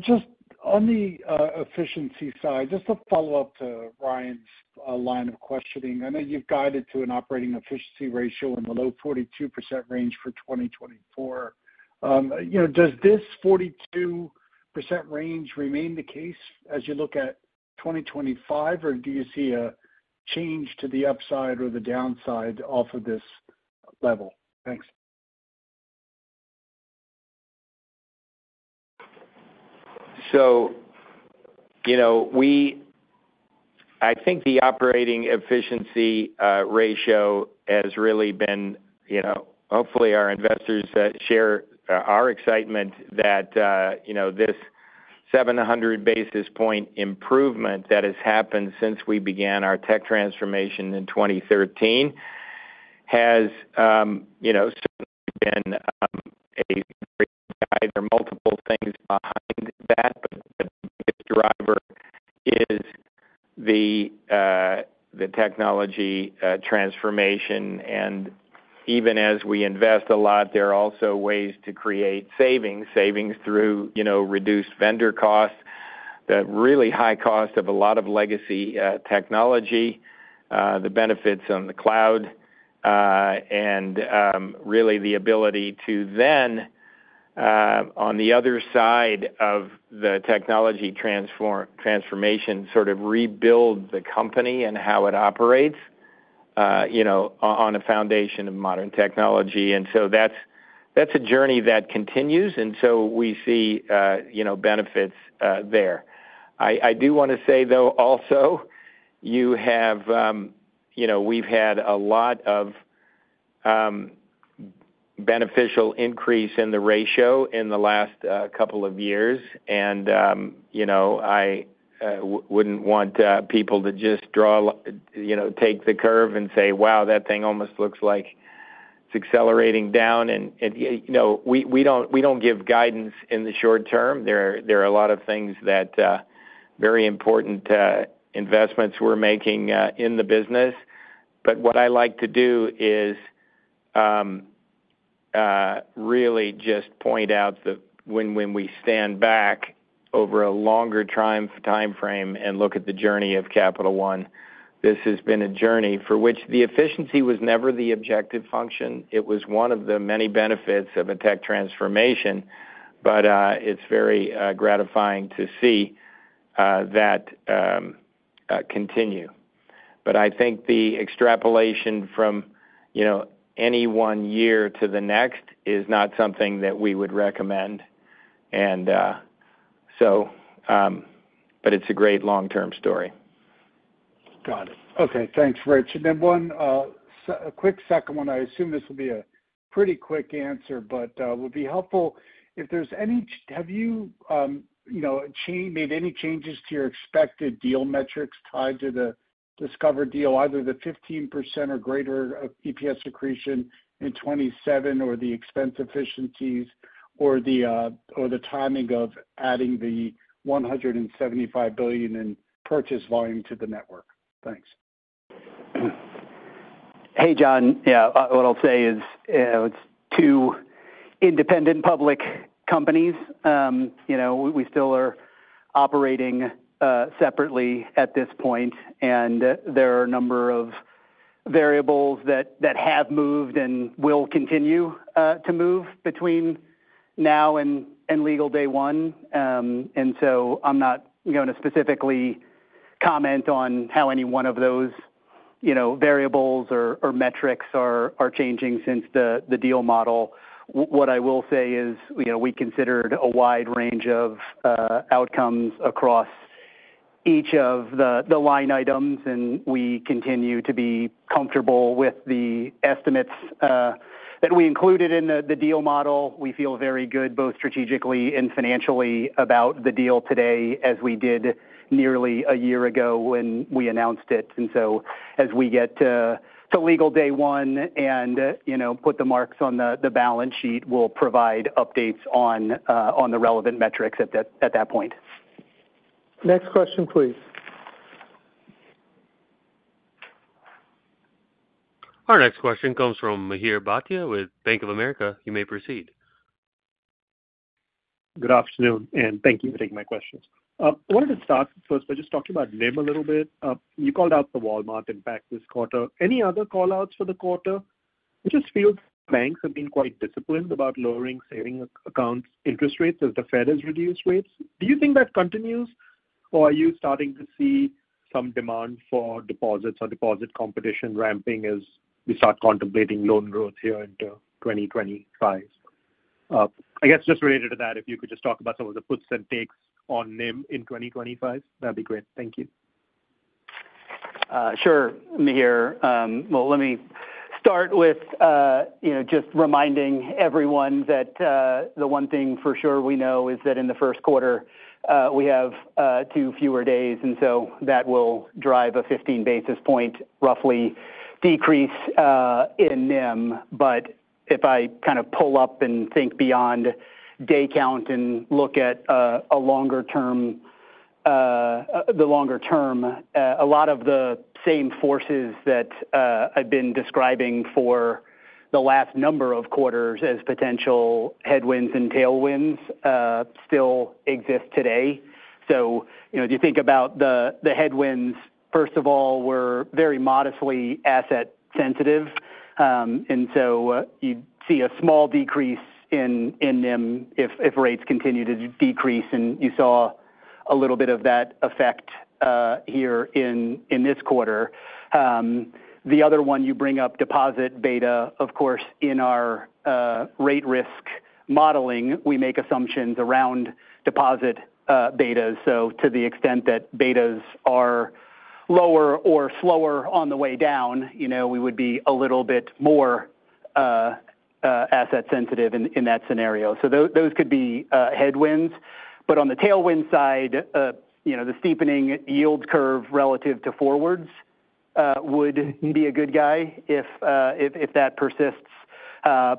Just on the efficiency side, just to follow up to Ryan's line of questioning, I know you've guided to an operating efficiency ratio in the low 42% range for 2024. You know, does this 42% range remain the case as you look at 2025, or do you see a change to the upside or the downside off of this level? Thanks. So, you know, I think the operating efficiency ratio has really been, you know, hopefully our investors share our excitement that, you know, this 700 basis point improvement that has happened since we began our tech transformation in 2013 has, you know, certainly been a great guide. There are multiple things behind that, but the biggest driver is the technology transformation. And even as we invest a lot, there are also ways to create savings, savings through, you know, reduced vendor costs, the really high cost of a lot of legacy technology, the benefits on the cloud, and really the ability to then, on the other side of the technology transformation, sort of rebuild the company and how it operates, you know, on a foundation of modern technology. And so that's a journey that continues. And so we see, you know, benefits there. I do want to say, though, also, you have, you know, we've had a lot of beneficial increase in the ratio in the last couple of years. And, you know, I wouldn't want people to just draw, you know, take the curve and say, wow, that thing almost looks like it's accelerating down. And, you know, we don't give guidance in the short term. There are a lot of things that very important investments we're making in the business. But what I like to do is really just point out that when we stand back over a longer time frame and look at the journey of Capital One, this has been a journey for which the efficiency was never the objective function. It was one of the many benefits of a tech transformation. But it's very gratifying to see that continue. But I think the extrapolation from, you know, any one year to the next is not something that we would recommend. And so, but it's a great long-term story. Got it. Okay. Thanks, Rich. And then one quick second one. I assume this will be a pretty quick answer, but it would be helpful if there's any, have you, you know, made any changes to your expected deal metrics tied to the Discover deal, either the 15% or greater EPS accretion in 2027 or the expense efficiencies or the timing of adding the $175 billion in purchase volume to the network? Thanks. Hey, John. Yeah, what I'll say is it's two independent public companies. You know, we still are operating separately at this point, and there are a number of variables that have moved and will continue to move between now and legal day one, and so I'm not going to specifically comment on how any one of those, you know, variables or metrics are changing since the deal model. What I will say is, you know, we considered a wide range of outcomes across each of the line items, and we continue to be comfortable with the estimates that we included in the deal model. We feel very good both strategically and financially about the deal today as we did nearly a year ago when we announced it. And so as we get to legal day one and, you know, put the marks on the balance sheet, we'll provide updates on the relevant metrics at that point. Next question, please. Our next question comes from Mihir Bhatia with Bank of America. You may proceed. Good afternoon, and thank you for taking my questions. I wanted to start first by just talking about NIM a little bit. You called out the Walmart impact this quarter. Any other callouts for the quarter? It just feels banks have been quite disciplined about lowering savings accounts interest rates as the Fed has reduced rates. Do you think that continues, or are you starting to see some demand for deposits or deposit competition ramping as we start contemplating loan growth here into 2025? I guess just related to that, if you could just talk about some of the puts and takes on NIM in 2025, that'd be great. Thank you. Sure, Mihir. Well, let me start with, you know, just reminding everyone that the one thing for sure we know is that in the first quarter, we have two fewer days. And so that will drive a 15 basis points roughly decrease in NIM. But if I kind of pull up and think beyond day count and look at a longer term, the longer term, a lot of the same forces that I've been describing for the last number of quarters as potential headwinds and tailwinds still exist today. So, you know, if you think about the headwinds, first of all, were very modestly asset sensitive. And so you'd see a small decrease in NIM if rates continue to decrease. And you saw a little bit of that effect here in this quarter. The other one you bring up, deposit beta, of course, in our rate risk modeling, we make assumptions around deposit betas. So to the extent that betas are lower or slower on the way down, you know, we would be a little bit more asset sensitive in that scenario. So those could be headwinds. But on the tailwind side, you know, the steepening yield curve relative to forwards would be a good guy if that persists.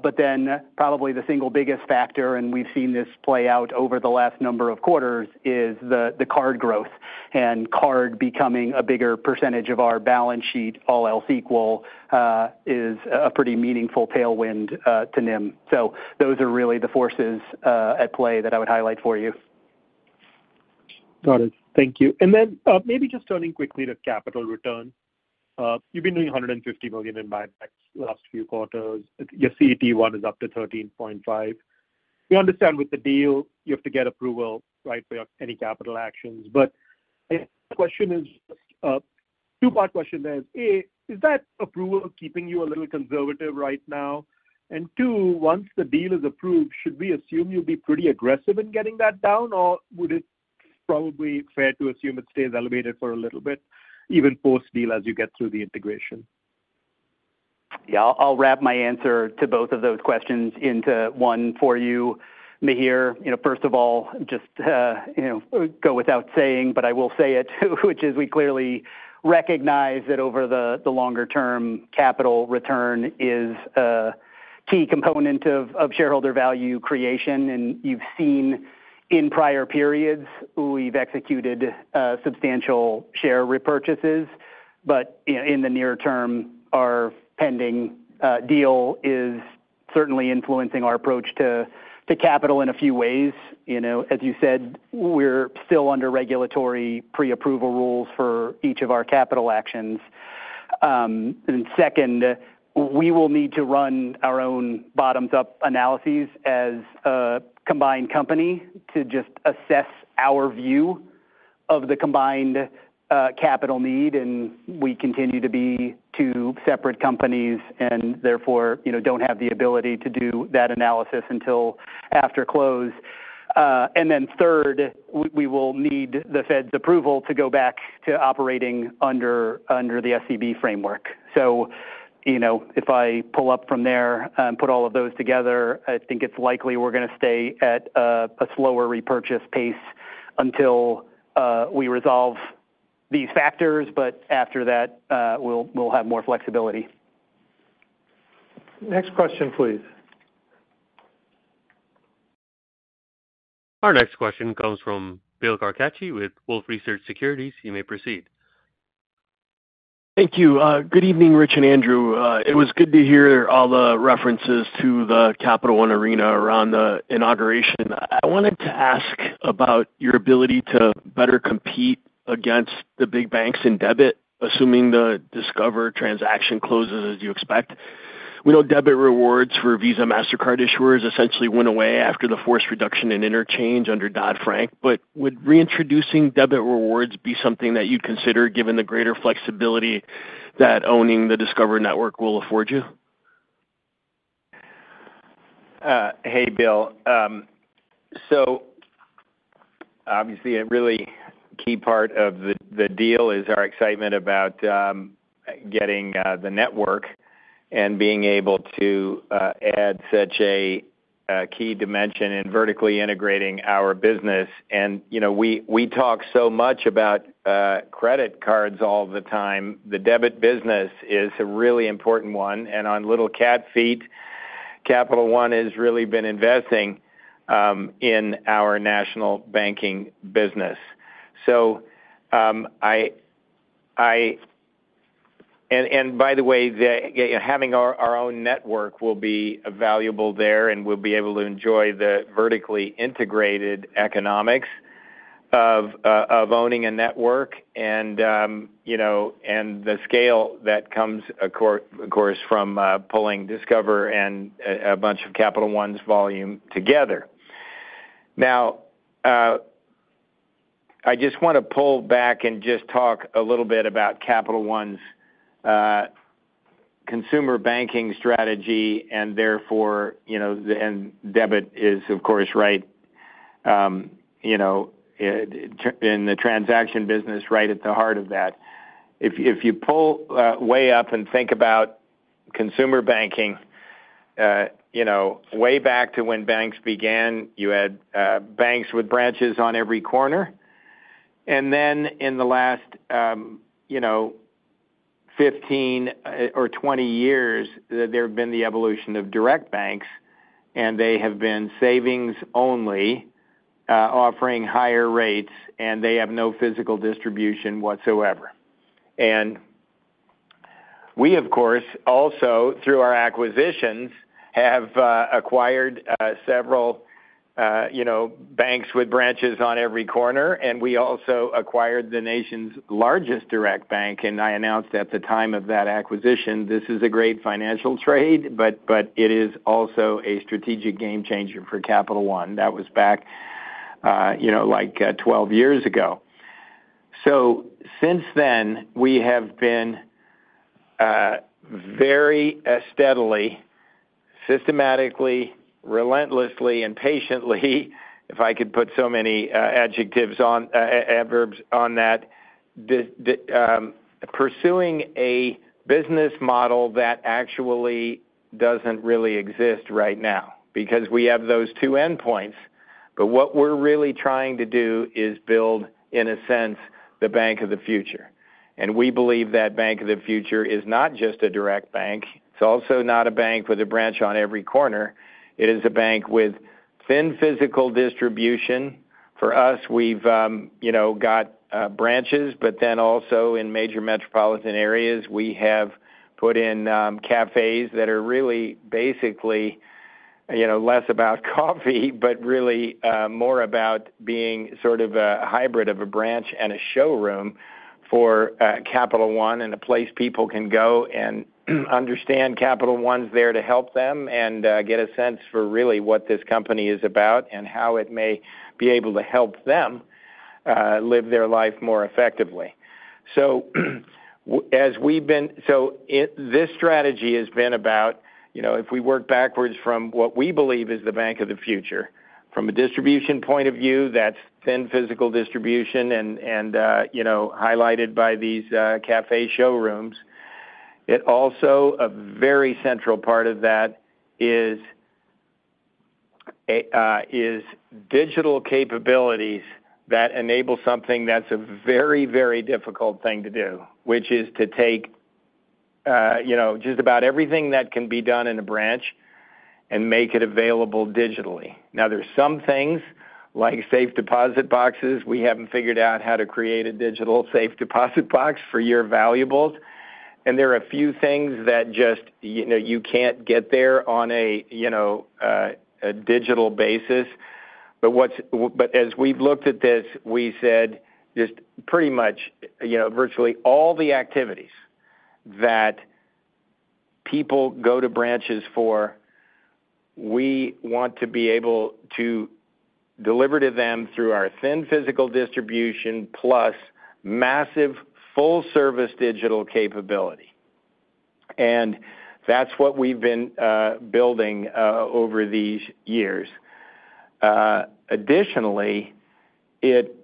But then probably the single biggest factor, and we've seen this play out over the last number of quarters, is the card growth. And card becoming a bigger percentage of our balance sheet, all else equal, is a pretty meaningful tailwind to NIM. So those are really the forces at play that I would highlight for you. Got it. Thank you. And then maybe just turning quickly to capital return. You've been doing $150 million in buybacks last few quarters. Your CET1 is up to 13.5%. We understand with the deal, you have to get approval, right, for any capital actions. But the question is, two-part question there is, A, is that approval keeping you a little conservative right now? And two, once the deal is approved, should we assume you'll be pretty aggressive in getting that down, or would it probably be fair to assume it stays elevated for a little bit even post-deal as you get through the integration? Yeah, I'll wrap my answer to both of those questions into one for you. Mihir, you know, first of all, just, you know, go without saying, but I will say it, which is we clearly recognize that over the longer term, capital return is a key component of shareholder value creation. And you've seen in prior periods, we've executed substantial share repurchases. But in the near term, our pending deal is certainly influencing our approach to capital in a few ways. You know, as you said, we're still under regulatory pre-approval rules for each of our capital actions. And second, we will need to run our own bottoms-up analyses as a combined company to just assess our view of the combined capital need. And we continue to be two separate companies and therefore, you know, don't have the ability to do that analysis until after close. And then third, we will need the Fed's approval to go back to operating under the SCB framework. So, you know, if I pull up from there and put all of those together, I think it's likely we're going to stay at a slower repurchase pace until we resolve these factors. But after that, we'll have more flexibility. Next question, please. Our next question comes from Bill Carcache with Wolfe Research. You may proceed. Thank you. Good evening, Rich and Andrew. It was good to hear all the references to the Capital One Arena around the inauguration. I wanted to ask about your ability to better compete against the big banks in debit, assuming the Discover transaction closes as you expect. We know debit rewards for Visa and Mastercard issuers essentially went away after the forced reduction in interchange under Dodd-Frank. But would reintroducing debit rewards be something that you'd consider given the greater flexibility that owning the Discover Network will afford you? Hey, Bill. So obviously, a really key part of the deal is our excitement about getting the network and being able to add such a key dimension and vertically integrating our business. And, you know, we talk so much about credit cards all the time. The debit business is a really important one. And on little cat feet, Capital One has really been investing in our national banking business. So I, and by the way, having our own network will be valuable there and we'll be able to enjoy the vertically integrated economics of owning a network and, you know, and the scale that comes, of course, from pulling Discover and a bunch of Capital One's volume together. Now, I just want to pull back and just talk a little bit about Capital One's consumer banking strategy and therefore, you know, and debit is, of course, right, you know, in the transaction business, right at the heart of that. If you pull way up and think about consumer banking, you know, way back to when banks began, you had banks with branches on every corner. And then in the last, you know, 15 or 20 years, there have been the evolution of direct banks, and they have been savings only, offering higher rates, and they have no physical distribution whatsoever. And we, of course, also through our acquisitions, have acquired several, you know, banks with branches on every corner. And we also acquired the nation's largest direct bank. I announced at the time of that acquisition, this is a great financial trade, but it is also a strategic game changer for Capital One. That was back, you know, like 12 years ago, so since then, we have been very steadily, systematically, relentlessly, and patiently, if I could put so many adjectives on, adverbs on that, pursuing a business model that actually doesn't really exist right now because we have those two endpoints, but what we're really trying to do is build, in a sense, the bank of the future. It is a bank with thin physical distribution, and we believe that bank of the future is not just a direct bank. It's also not a bank with a branch on every corner. For us, we've, you know, got branches, but then also in major metropolitan areas, we have put in cafes that are really basically, you know, less about coffee, but really more about being sort of a hybrid of a branch and a showroom for Capital One and a place people can go and understand Capital One's there to help them and get a sense for really what this company is about and how it may be able to help them live their life more effectively. So as we've been, so this strategy has been about, you know, if we work backwards from what we believe is the bank of the future, from a distribution point of view, that's thin physical distribution and, you know, highlighted by these cafe showrooms. It also a very central part of that is digital capabilities that enable something that's a very, very difficult thing to do, which is to take, you know, just about everything that can be done in a branch and make it available digitally. Now, there's some things like safe deposit boxes. We haven't figured out how to create a digital safe deposit box for your valuables. And there are a few things that just, you know, you can't get there on a, you know, a digital basis. But what's, but as we've looked at this, we said just pretty much, you know, virtually all the activities that people go to branches for, we want to be able to deliver to them through our thin physical distribution plus massive full-service digital capability. And that's what we've been building over these years. Additionally, it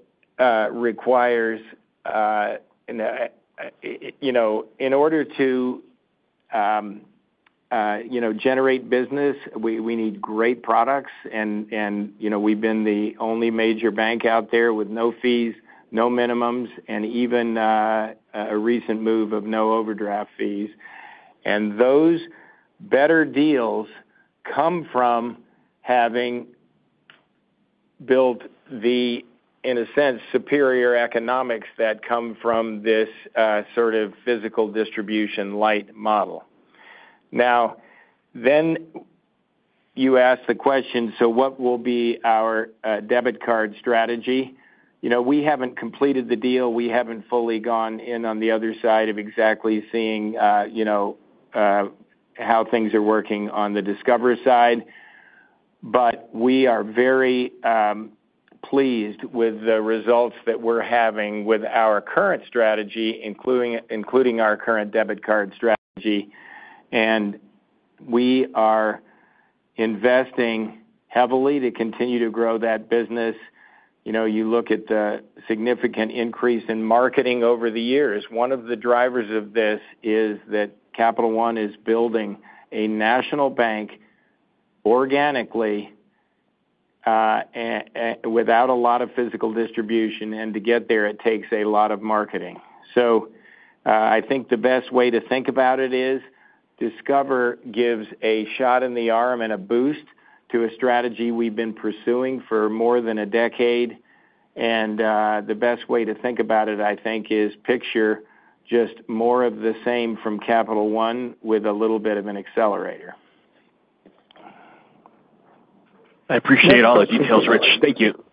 requires, you know, in order to, you know, generate business, we need great products. And, you know, we've been the only major bank out there with no fees, no minimums, and even a recent move of no overdraft fees. And those better deals come from having built the, in a sense, superior economics that come from this sort of physical distribution light model. Now, then you ask the question, so what will be our debit card strategy? You know, we haven't completed the deal. We haven't fully gone in on the other side of exactly seeing, you know, how things are working on the Discover side. But we are very pleased with the results that we're having with our current strategy, including our current debit card strategy. And we are investing heavily to continue to grow that business. You know, you look at the significant increase in marketing over the years. One of the drivers of this is that Capital One is building a national bank organically without a lot of physical distribution. And to get there, it takes a lot of marketing. So I think the best way to think about it is Discover gives a shot in the arm and a boost to a strategy we've been pursuing for more than a decade. And the best way to think about it, I think, is picture just more of the same from Capital One with a little bit of an accelerator. I appreciate all the details, Rich. Thank you.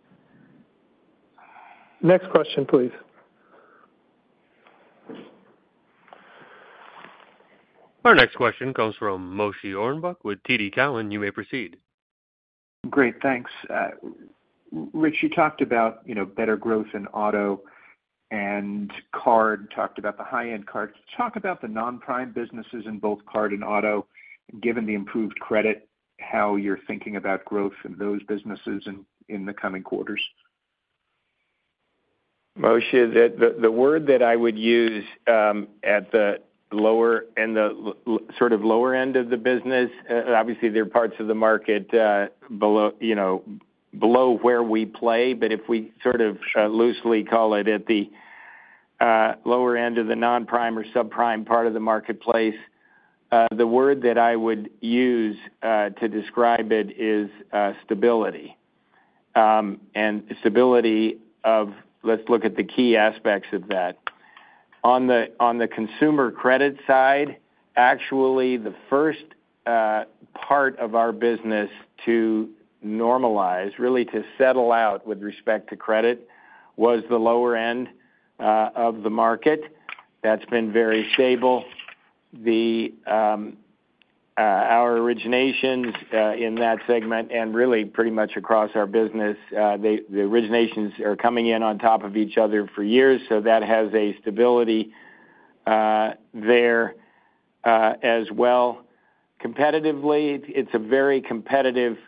Next question, please. Our next question comes from Moshe Orenbuch with TD Cowen. You may proceed. Great. Thanks. Rich, you talked about, you know, better growth in auto and card, talked about the high-end card. Talk about the non-prime businesses in both card and auto, given the improved credit, how you're thinking about growth in those businesses in the coming quarters? Moshe, the word that I would use at the lower and the sort of lower end of the business, obviously there are parts of the market below, you know, below where we play. But if we sort of loosely call it at the lower end of the non-prime or subprime part of the marketplace, the word that I would use to describe it is stability, and stability of, let's look at the key aspects of that. On the consumer credit side, actually, the first part of our business to normalize, really to settle out with respect to credit was the lower end of the market. That's been very stable. Our originations in that segment and really pretty much across our business, the originations are coming in on top of each other for years, so that has a stability there as well. Competitively, it's a very competitive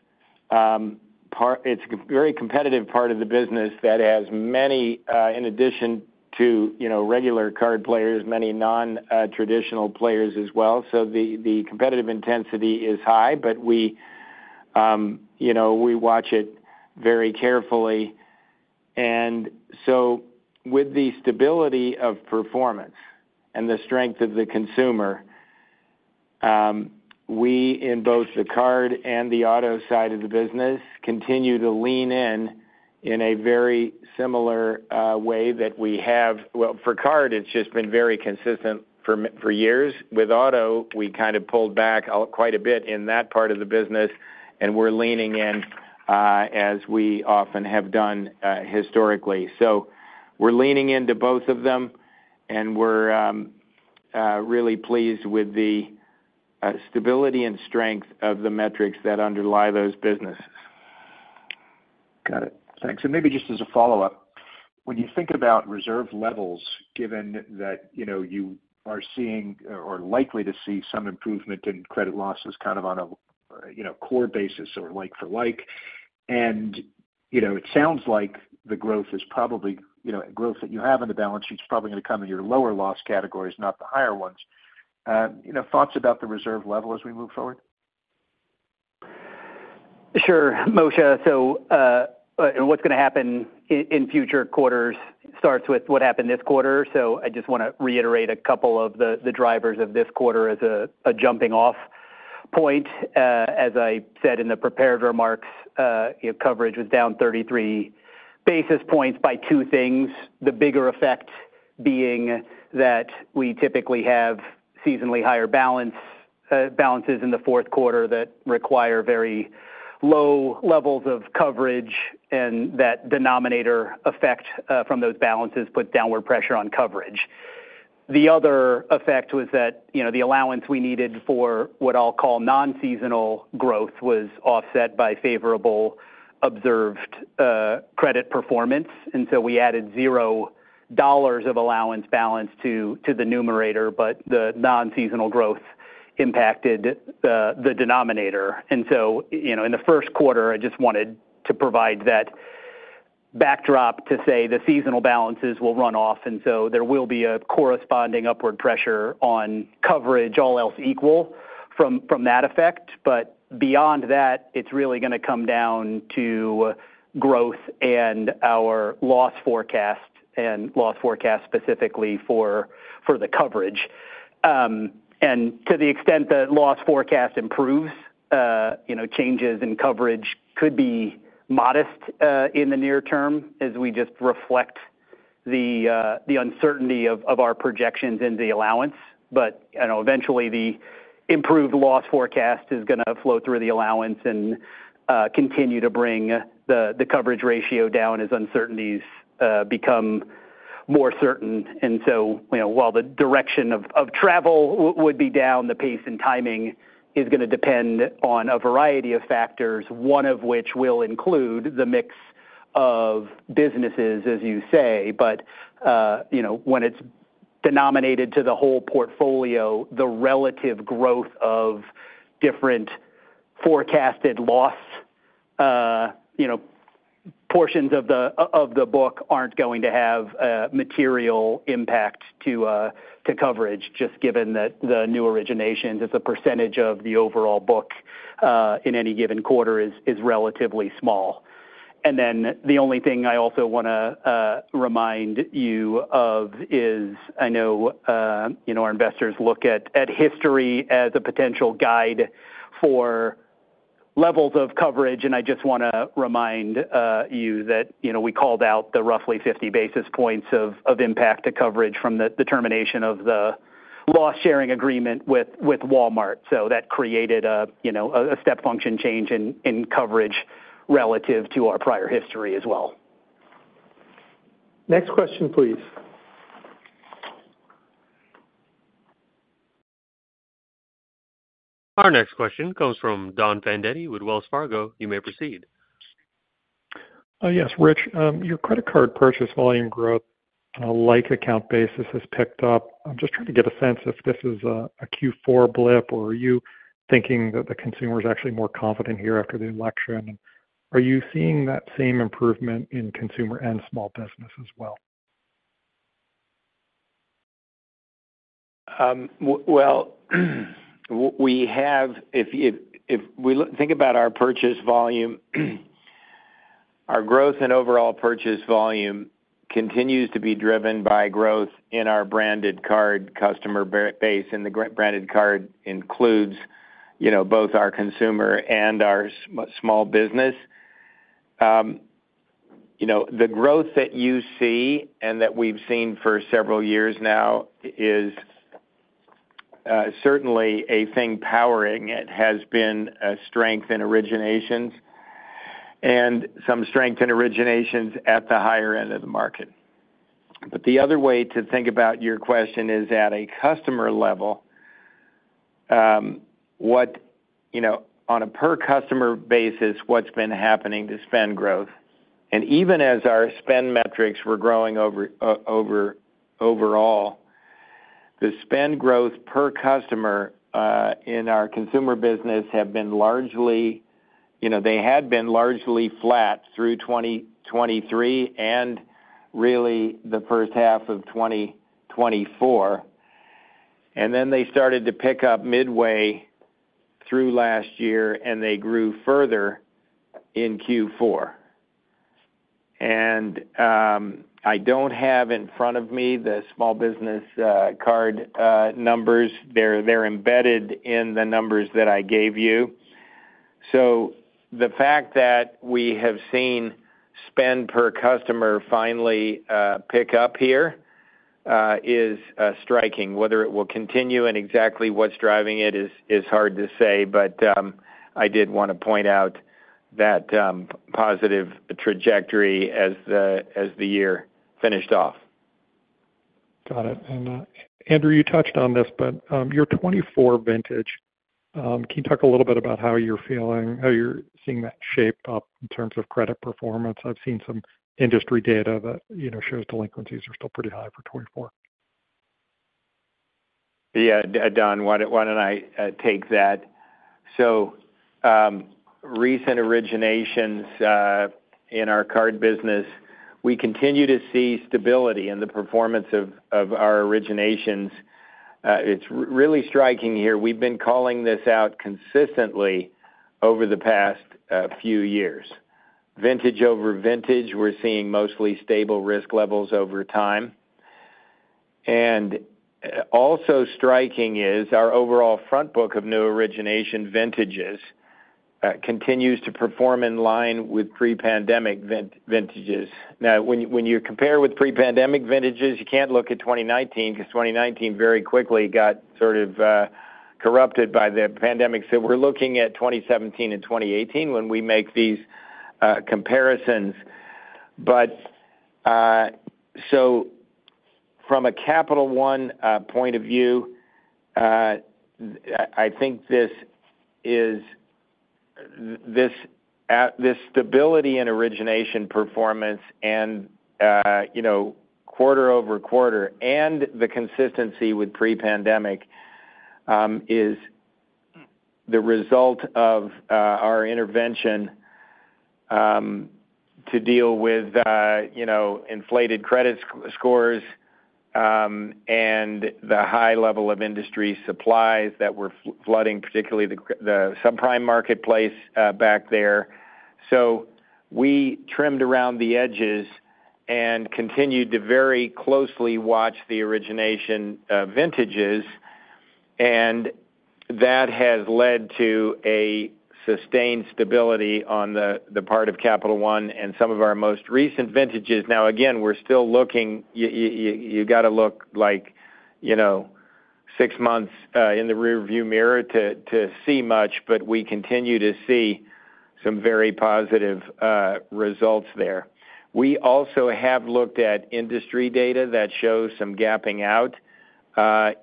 part. It's a very competitive part of the business that has many, in addition to, you know, regular card players, many non-traditional players as well, so the competitive intensity is high, but we, you know, we watch it very carefully, and so with the stability of performance and the strength of the consumer, we in both the card and the auto side of the business continue to lean in in a very similar way that we have, well, for card, it's just been very consistent for years. With auto, we kind of pulled back quite a bit in that part of the business, and we're leaning in as we often have done historically, so we're leaning into both of them, and we're really pleased with the stability and strength of the metrics that underlie those businesses. Got it. Thanks. And maybe just as a follow-up, when you think about reserve levels, given that, you know, you are seeing or likely to see some improvement in credit losses kind of on a, you know, core basis or like for like. And, you know, it sounds like the growth is probably, you know, growth that you have in the balance sheet is probably going to come in your lower loss categories, not the higher ones. You know, thoughts about the reserve level as we move forward? Sure, Moshe. So what's going to happen in future quarters starts with what happened this quarter. So I just want to reiterate a couple of the drivers of this quarter as a jumping-off point. As I said in the prepared remarks, you know, coverage was down 33 basis points by two things. The bigger effect being that we typically have seasonally higher balances in the Q4 that require very low levels of coverage and that denominator effect from those balances puts downward pressure on coverage. The other effect was that, you know, the allowance we needed for what I'll call non-seasonal growth was offset by favorable observed credit performance. And so we added zero dollars of allowance balance to the numerator, but the non-seasonal growth impacted the denominator. And so, you know, in the first quarter, I just wanted to provide that backdrop to say the seasonal balances will run off. And so there will be a corresponding upward pressure on coverage, all else equal from that effect. But beyond that, it's really going to come down to growth and our loss forecast and loss forecast specifically for the coverage. And to the extent that loss forecast improves, you know, changes in coverage could be modest in the near term as we just reflect the uncertainty of our projections in the allowance. But, you know, eventually the improved loss forecast is going to flow through the allowance and continue to bring the coverage ratio down as uncertainties become more certain. And so, you know, while the direction of travel would be down, the pace and timing is going to depend on a variety of factors, one of which will include the mix of businesses, as you say. But, you know, when it's denominated to the whole portfolio, the relative growth of different forecasted loss, you know, portions of the book aren't going to have material impact to coverage, just given that the new originations as a percentage of the overall book in any given quarter is relatively small. And then the only thing I also want to remind you of is, I know, you know, our investors look at history as a potential guide for levels of coverage. And I just want to remind you that, you know, we called out the roughly 50 basis points of impact to coverage from the termination of the loss sharing agreement with Walmart. So that created a, you know, a step function change in coverage relative to our prior history as well. Next question, please. Our next question comes from Don Fandetti with Wells Fargo. You may proceed. Yes, Rich. Your credit card purchase volume growth on a like account basis has picked up. I'm just trying to get a sense if this is a Q4 blip or are you thinking that the consumer is actually more confident here after the election? Are you seeing that same improvement in consumer and small business as well? Well, we have, if we think about our purchase volume, our growth in overall purchase volume continues to be driven by growth in our branded card customer base. And the branded card includes, you know, both our consumer and our small business. You know, the growth that you see and that we've seen for several years now is certainly a thing powering it, has been a strength in originations and some strength in originations at the higher end of the market. But the other way to think about your question is at a customer level, what, you know, on a per customer basis, what's been happening to spend growth. And even as our spend metrics were growing overall, the spend growth per customer in our consumer business have been largely, you know, they had been largely flat through 2023 and really the first half of 2024. Then they started to pick up midway through last year and they grew further in Q4. I don't have in front of me the small business card numbers. They're embedded in the numbers that I gave you. The fact that we have seen spend per customer finally pick up here is striking. Whether it will continue and exactly what's driving it is hard to say, but I did want to point out that positive trajectory as the year finished off. Got it. And Andrew, you touched on this, but your 2024 vintage, can you talk a little bit about how you're feeling, how you're seeing that shape up in terms of credit performance? I've seen some industry data that, you know, shows delinquencies are still pretty high for 2024. Yeah, Don, why don't I take that? So recent originations in our card business, we continue to see stability in the performance of our originations. It's really striking here. We've been calling this out consistently over the past few years. Vintage over vintage, we're seeing mostly stable risk levels over time. And also striking is our overall front book of new origination vintages continues to perform in line with pre-pandemic vintages. Now, when you compare with pre-pandemic vintages, you can't look at 2019 because 2019 very quickly got sort of corrupted by the pandemic. So we're looking at 2017 and 2018 when we make these comparisons. But so from a Capital One point of view, I think this stability in origination performance and, you know, quarter over quarter and the consistency with pre-pandemic is the result of our intervention to deal with, you know, inflated credit scores and the high level of industry supplies that were flooding particularly the subprime marketplace back there. So we trimmed around the edges and continued to very closely watch the origination vintages. And that has led to a sustained stability on the part of Capital One and some of our most recent vintages. Now, again, we're still looking, you got to look like, you know, six months in the rearview mirror to see much, but we continue to see some very positive results there. We also have looked at industry data that shows some gapping out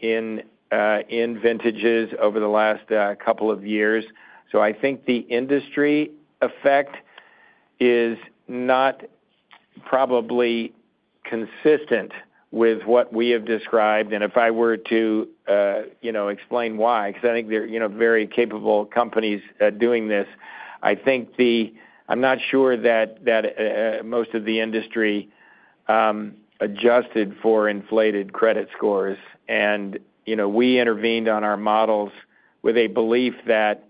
in vintages over the last couple of years. So I think the industry effect is not probably consistent with what we have described. And if I were to, you know, explain why, because I think they're, you know, very capable companies doing this, I think I'm not sure that most of the industry adjusted for inflated credit scores. And, you know, we intervened on our models with a belief that,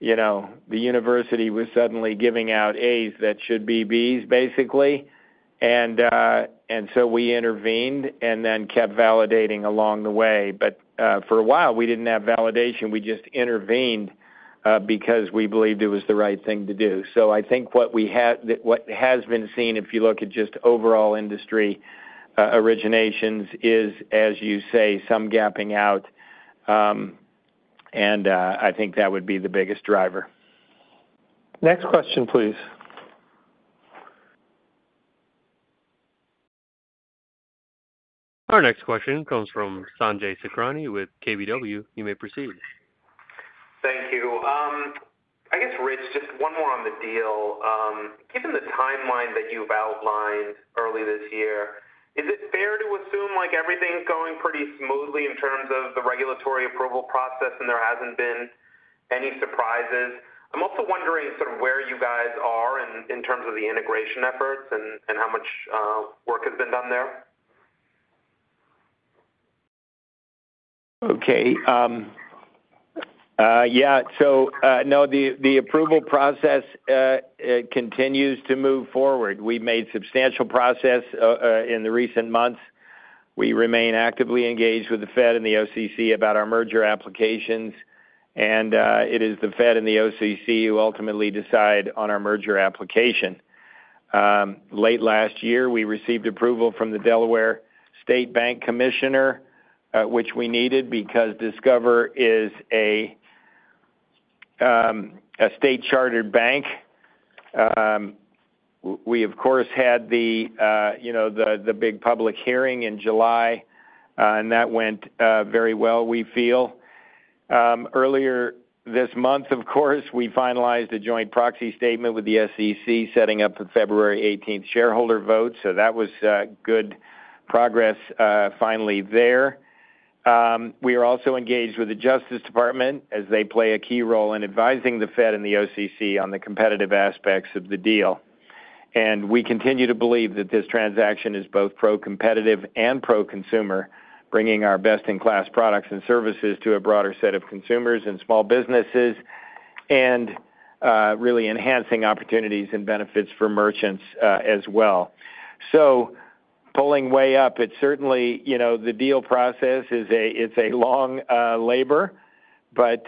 you know, the university was suddenly giving out A's that should be B's basically. And so we intervened and then kept validating along the way. But for a while, we didn't have validation. We just intervened because we believed it was the right thing to do. So I think what we have, what has been seen, if you look at just overall industry originations is, as you say, some gapping out. And I think that would be the biggest driver. Next question, please. Our next question comes from Sanjay Sakhrani with KBW. You may proceed. Thank you. I guess, Rich, just one more on the deal. Given the timeline that you've outlined early this year, is it fair to assume like everything's going pretty smoothly in terms of the regulatory approval process and there hasn't been any surprises? I'm also wondering sort of where you guys are in terms of the integration efforts and how much work has been done there. Okay. Yeah. So no, the approval process continues to move forward. We've made substantial progress in the recent months. We remain actively engaged with the Fed and the OCC about our merger applications. And it is the Fed and the OCC who ultimately decide on our merger application. Late last year, we received approval from the Delaware State Bank Commissioner, which we needed because Discover is a state chartered bank. We, of course, had the, you know, the big public hearing in July, and that went very well, we feel. Earlier this month, of course, we finalized a joint proxy statement with the SEC setting up a February 18th shareholder vote. So that was good progress finally there. We are also engaged with the Justice Department as they play a key role in advising the Fed and the OCC on the competitive aspects of the deal. We continue to believe that this transaction is both pro-competitive and pro-consumer, bringing our best-in-class products and services to a broader set of consumers and small businesses and really enhancing opportunities and benefits for merchants as well. So pulling way up, it's certainly, you know, the deal process is a long labor, but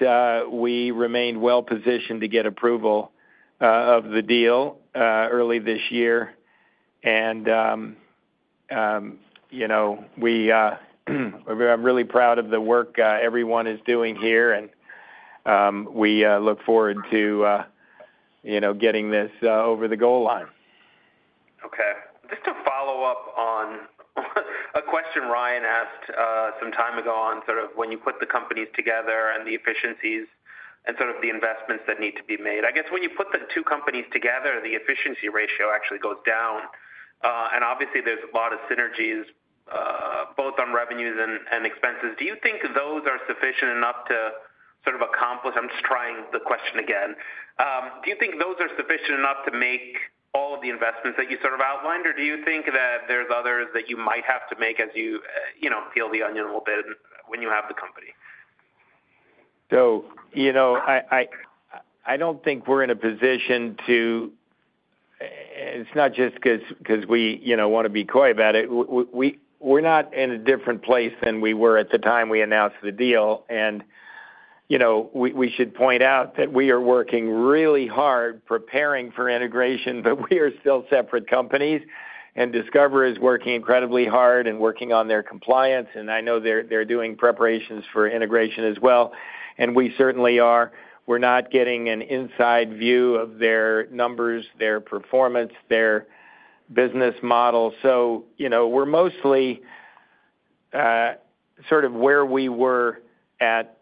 we remained well positioned to get approval of the deal early this year. You know, I'm really proud of the work everyone is doing here. We look forward to, you know, getting this over the goal line. Okay. Just to follow up on a question Ryan asked some time ago on sort of when you put the companies together and the efficiencies and sort of the investments that need to be made. I guess when you put the two companies together, the efficiency ratio actually goes down, and obviously, there's a lot of synergies both on revenues and expenses. Do you think those are sufficient enough to sort of accomplish? I'm just trying the question again. Do you think those are sufficient enough to make all of the investments that you sort of outlined, or do you think that there's others that you might have to make as you, you know, peel the onion a little bit when you have the company? So, you know, I don't think we're in a position to. It's not just because we, you know, want to be quiet about it. We're not in a different place than we were at the time we announced the deal. And, you know, we should point out that we are working really hard preparing for integration, but we are still separate companies. And Discover is working incredibly hard and working on their compliance. And I know they're doing preparations for integration as well. And we certainly are. We're not getting an inside view of their numbers, their performance, their business model. So, you know, we're mostly sort of where we were at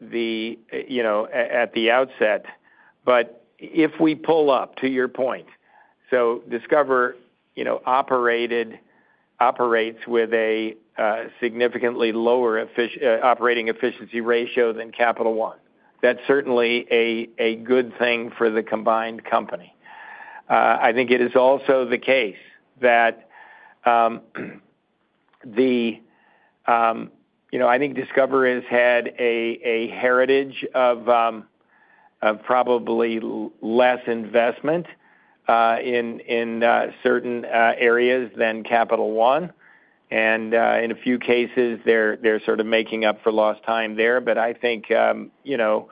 the, you know, at the outset. But if we pull up to your point, so Discover, you know, operated, operates with a significantly lower operating efficiency ratio than Capital One. That's certainly a good thing for the combined company. I think it is also the case that the, you know, I think Discover has had a heritage of probably less investment in certain areas than Capital One. And in a few cases, they're sort of making up for lost time there. But I think, you know,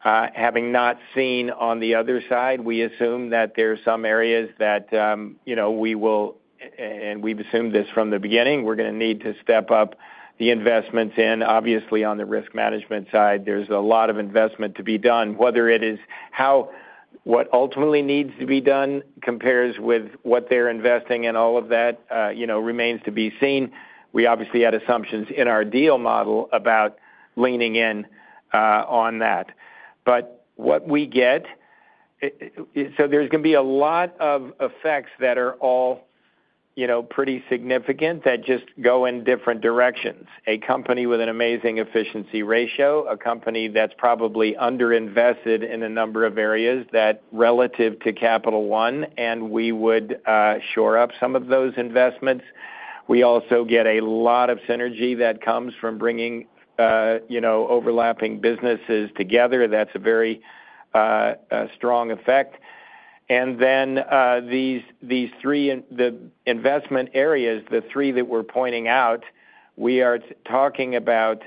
having not seen on the other side, we assume that there are some areas that, you know, we will, and we've assumed this from the beginning, we're going to need to step up the investments in. Obviously, on the risk management side, there's a lot of investment to be done. Whether it is how what ultimately needs to be done compares with what they're investing in, all of that, you know, remains to be seen. We obviously had assumptions in our deal model about leaning in on that. But what we get, so there's going to be a lot of effects that are all, you know, pretty significant that just go in different directions. A company with an amazing efficiency ratio, a company that's probably underinvested in a number of areas that relative to Capital One, and we would shore up some of those investments. We also get a lot of synergy that comes from bringing, you know, overlapping businesses together. That's a very strong effect. And then these three, the investment areas, the three that we're pointing out, we are talking about,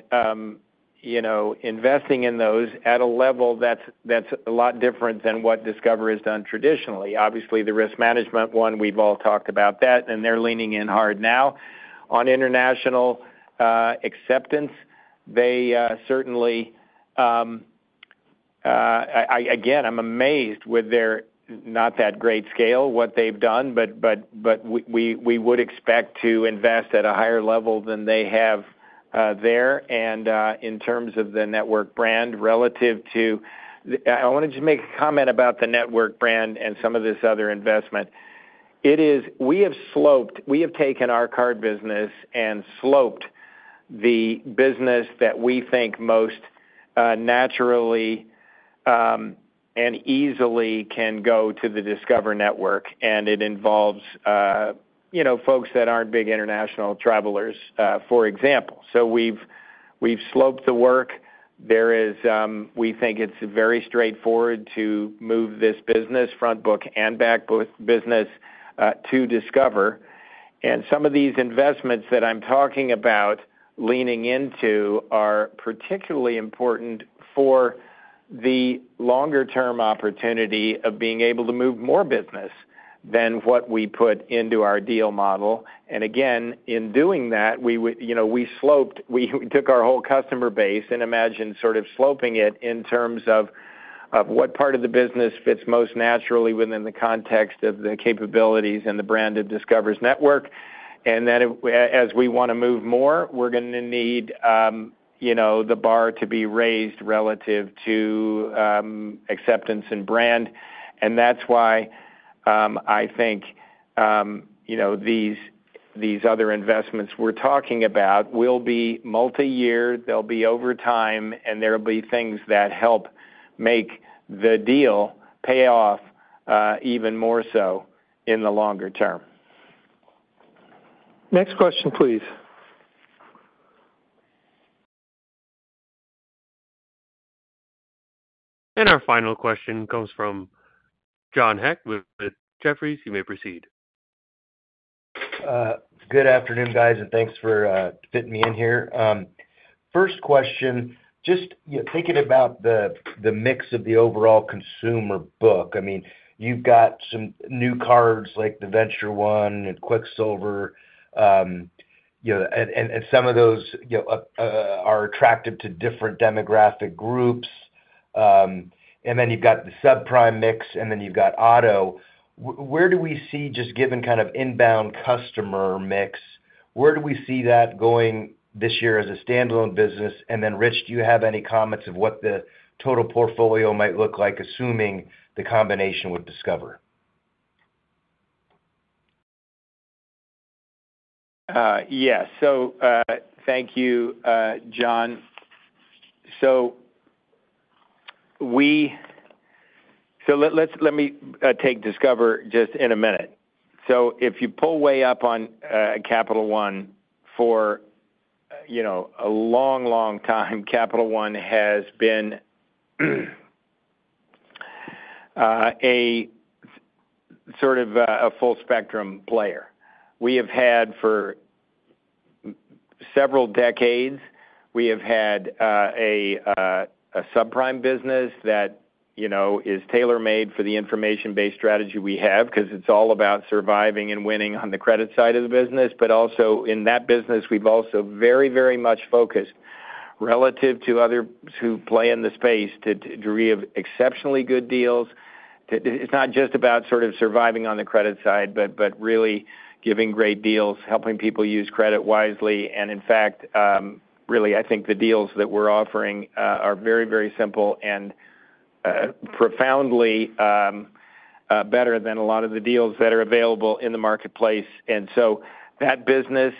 you know, investing in those at a level that's a lot different than what Discover has done traditionally. Obviously, the risk management one, we've all talked about that, and they're leaning in hard now. On international acceptance, they certainly, again, I'm amazed with their not that great scale, what they've done, but we would expect to invest at a higher level than they have there. In terms of the network brand relative to, I want to just make a comment about the network brand and some of this other investment, it is, we have siloed, we have taken our card business and siloed the business that we think most naturally and easily can go to the Discover Network, and it involves, you know, folks that aren't big international travelers, for example, so we've siloed the work. There is, we think it's very straightforward to move this business, front book and back book business to Discover. And some of these investments that I'm talking about leaning into are particularly important for the longer-term opportunity of being able to move more business than what we put into our deal model. And again, in doing that, we, you know, we scoped, we took our whole customer base and imagined sort of scoping it in terms of what part of the business fits most naturally within the context of the capabilities and the branded Discover's network. And then as we want to move more, we're going to need, you know, the bar to be raised relative to acceptance and brand. And that's why I think, you know, these other investments we're talking about will be multi-year, they'll be over time, and there will be things that help make the deal pay off even more so in the longer term. Next question, please. Our final question comes from John Hecht with Jefferies. You may proceed. Good afternoon, guys, and thanks for fitting me in here. First question, just thinking about the mix of the overall consumer book. I mean, you've got some new cards like the VentureOne and Quicksilver, you know, and some of those, you know, are attractive to different demographic groups. And then you've got the subprime mix, and then you've got auto. Where do we see, just given kind of inbound customer mix, where do we see that going this year as a standalone business? And then, Rich, do you have any comments of what the total portfolio might look like, assuming the combination with Discover? Yeah, so thank you, John. Let me take Discover just in a minute. If you pull way up on Capital One for, you know, a long, long time, Capital One has been a sort of a full-spectrum player. We have had for several decades a subprime business that, you know, is tailor-made for the information-based strategy we have, because it's all about surviving and winning on the credit side of the business. But also in that business, we've also very, very much focused relative to others who play in the space to deal with exceptionally good deals. It's not just about sort of surviving on the credit side, but really giving great deals, helping people use credit wisely. In fact, really, I think the deals that we're offering are very, very simple and profoundly better than a lot of the deals that are available in the marketplace. So that business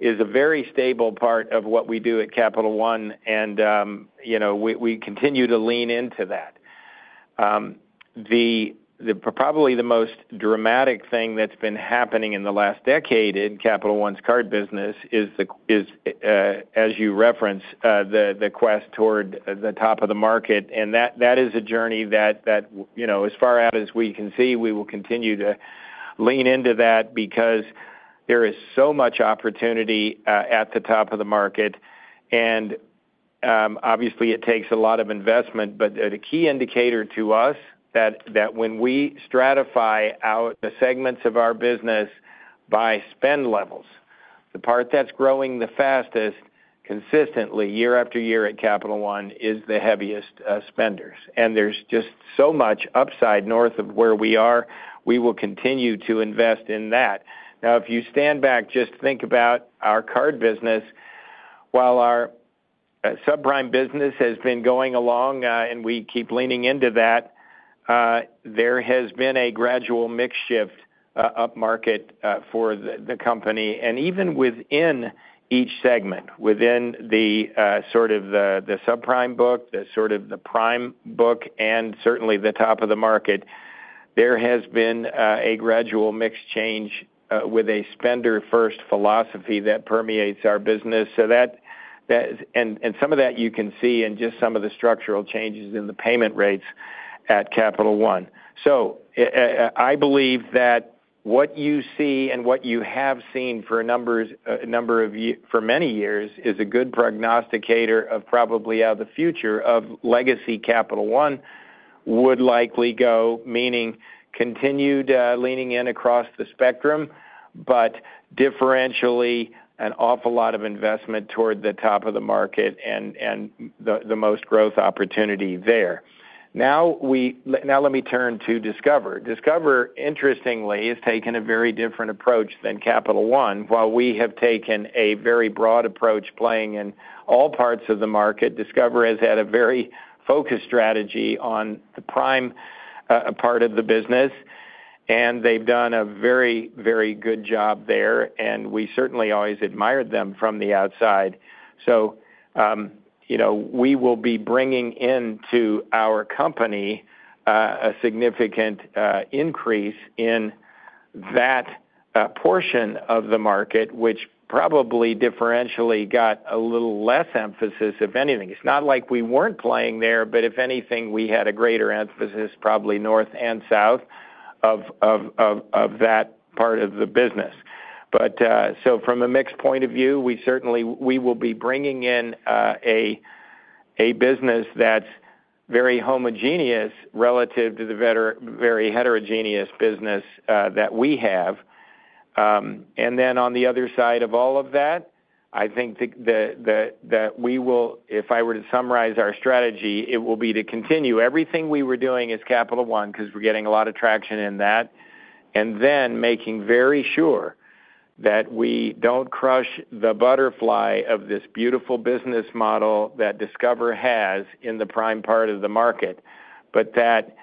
is a very stable part of what we do at Capital One. You know, we continue to lean into that. Probably the most dramatic thing that's been happening in the last decade in Capital One's card business is, as you reference, the quest toward the top of the market. That is a journey that, you know, as far out as we can see, we will continue to lean into that because there is so much opportunity at the top of the market. And obviously, it takes a lot of investment, but the key indicator to us that when we stratify out the segments of our business by spend levels, the part that's growing the fastest consistently year after year at Capital One is the heaviest spenders. And there's just so much upside north of where we are, we will continue to invest in that. Now, if you stand back, just think about our card business. While our subprime business has been going along and we keep leaning into that, there has been a gradual mix shift up market for the company. And even within each segment, within the sort of the subprime book, the sort of the prime book, and certainly the top of the market, there has been a gradual mix change with a spender-first philosophy that permeates our business. So that, and some of that you can see in just some of the structural changes in the payment rates at Capital One. So I believe that what you see and what you have seen for many years is a good prognosticator of probably how the future of legacy Capital One would likely go, meaning continued leaning in across the spectrum, but differentially an awful lot of investment toward the top of the market and the most growth opportunity there. Now, let me turn to Discover. Discover, interestingly, has taken a very different approach than Capital One. While we have taken a very broad approach playing in all parts of the market, Discover has had a very focused strategy on the prime part of the business. And they've done a very, very good job there. And we certainly always admired them from the outside. You know, we will be bringing into our company a significant increase in that portion of the market, which probably differentially got a little less emphasis if anything. It's not like we weren't playing there, but if anything, we had a greater emphasis probably north and south of that part of the business. From a mixed point of view, we certainly will be bringing in a business that's very homogeneous relative to the very heterogeneous business that we have. And then on the other side of all of that, I think that we will, if I were to summarize our strategy, it will be to continue everything we were doing as Capital One, because we're getting a lot of traction in that, and then making very sure that we don't crush the butterfly of this beautiful business model that Discover has in the prime part of the market, but that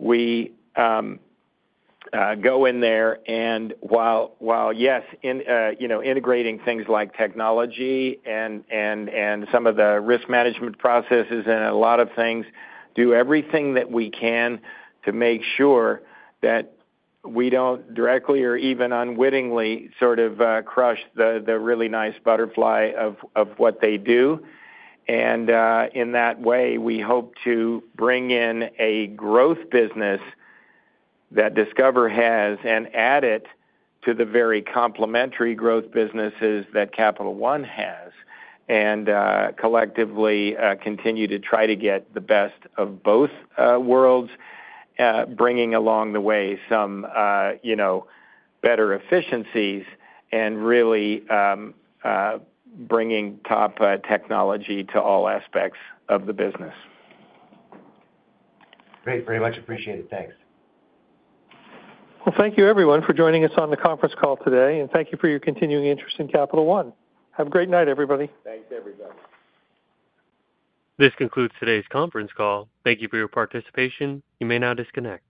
we go in there and while, yes, you know, integrating things like technology and some of the risk management processes and a lot of things, do everything that we can to make sure that we don't directly or even unwittingly sort of crush the really nice butterfly of what they do. In that way, we hope to bring in a growth business that Discover has and add it to the very complementary growth businesses that Capital One has and collectively continue to try to get the best of both worlds, bringing along the way some, you know, better efficiencies and really bringing top technology to all aspects of the business. Great. Very much appreciated. Thanks. Well, thank you, everyone, for joining us on the conference call today. And thank you for your continuing interest in Capital One. Have a great night, everybody. Thanks, everybody. This concludes today's conference call. Thank you for your participation. You may now disconnect.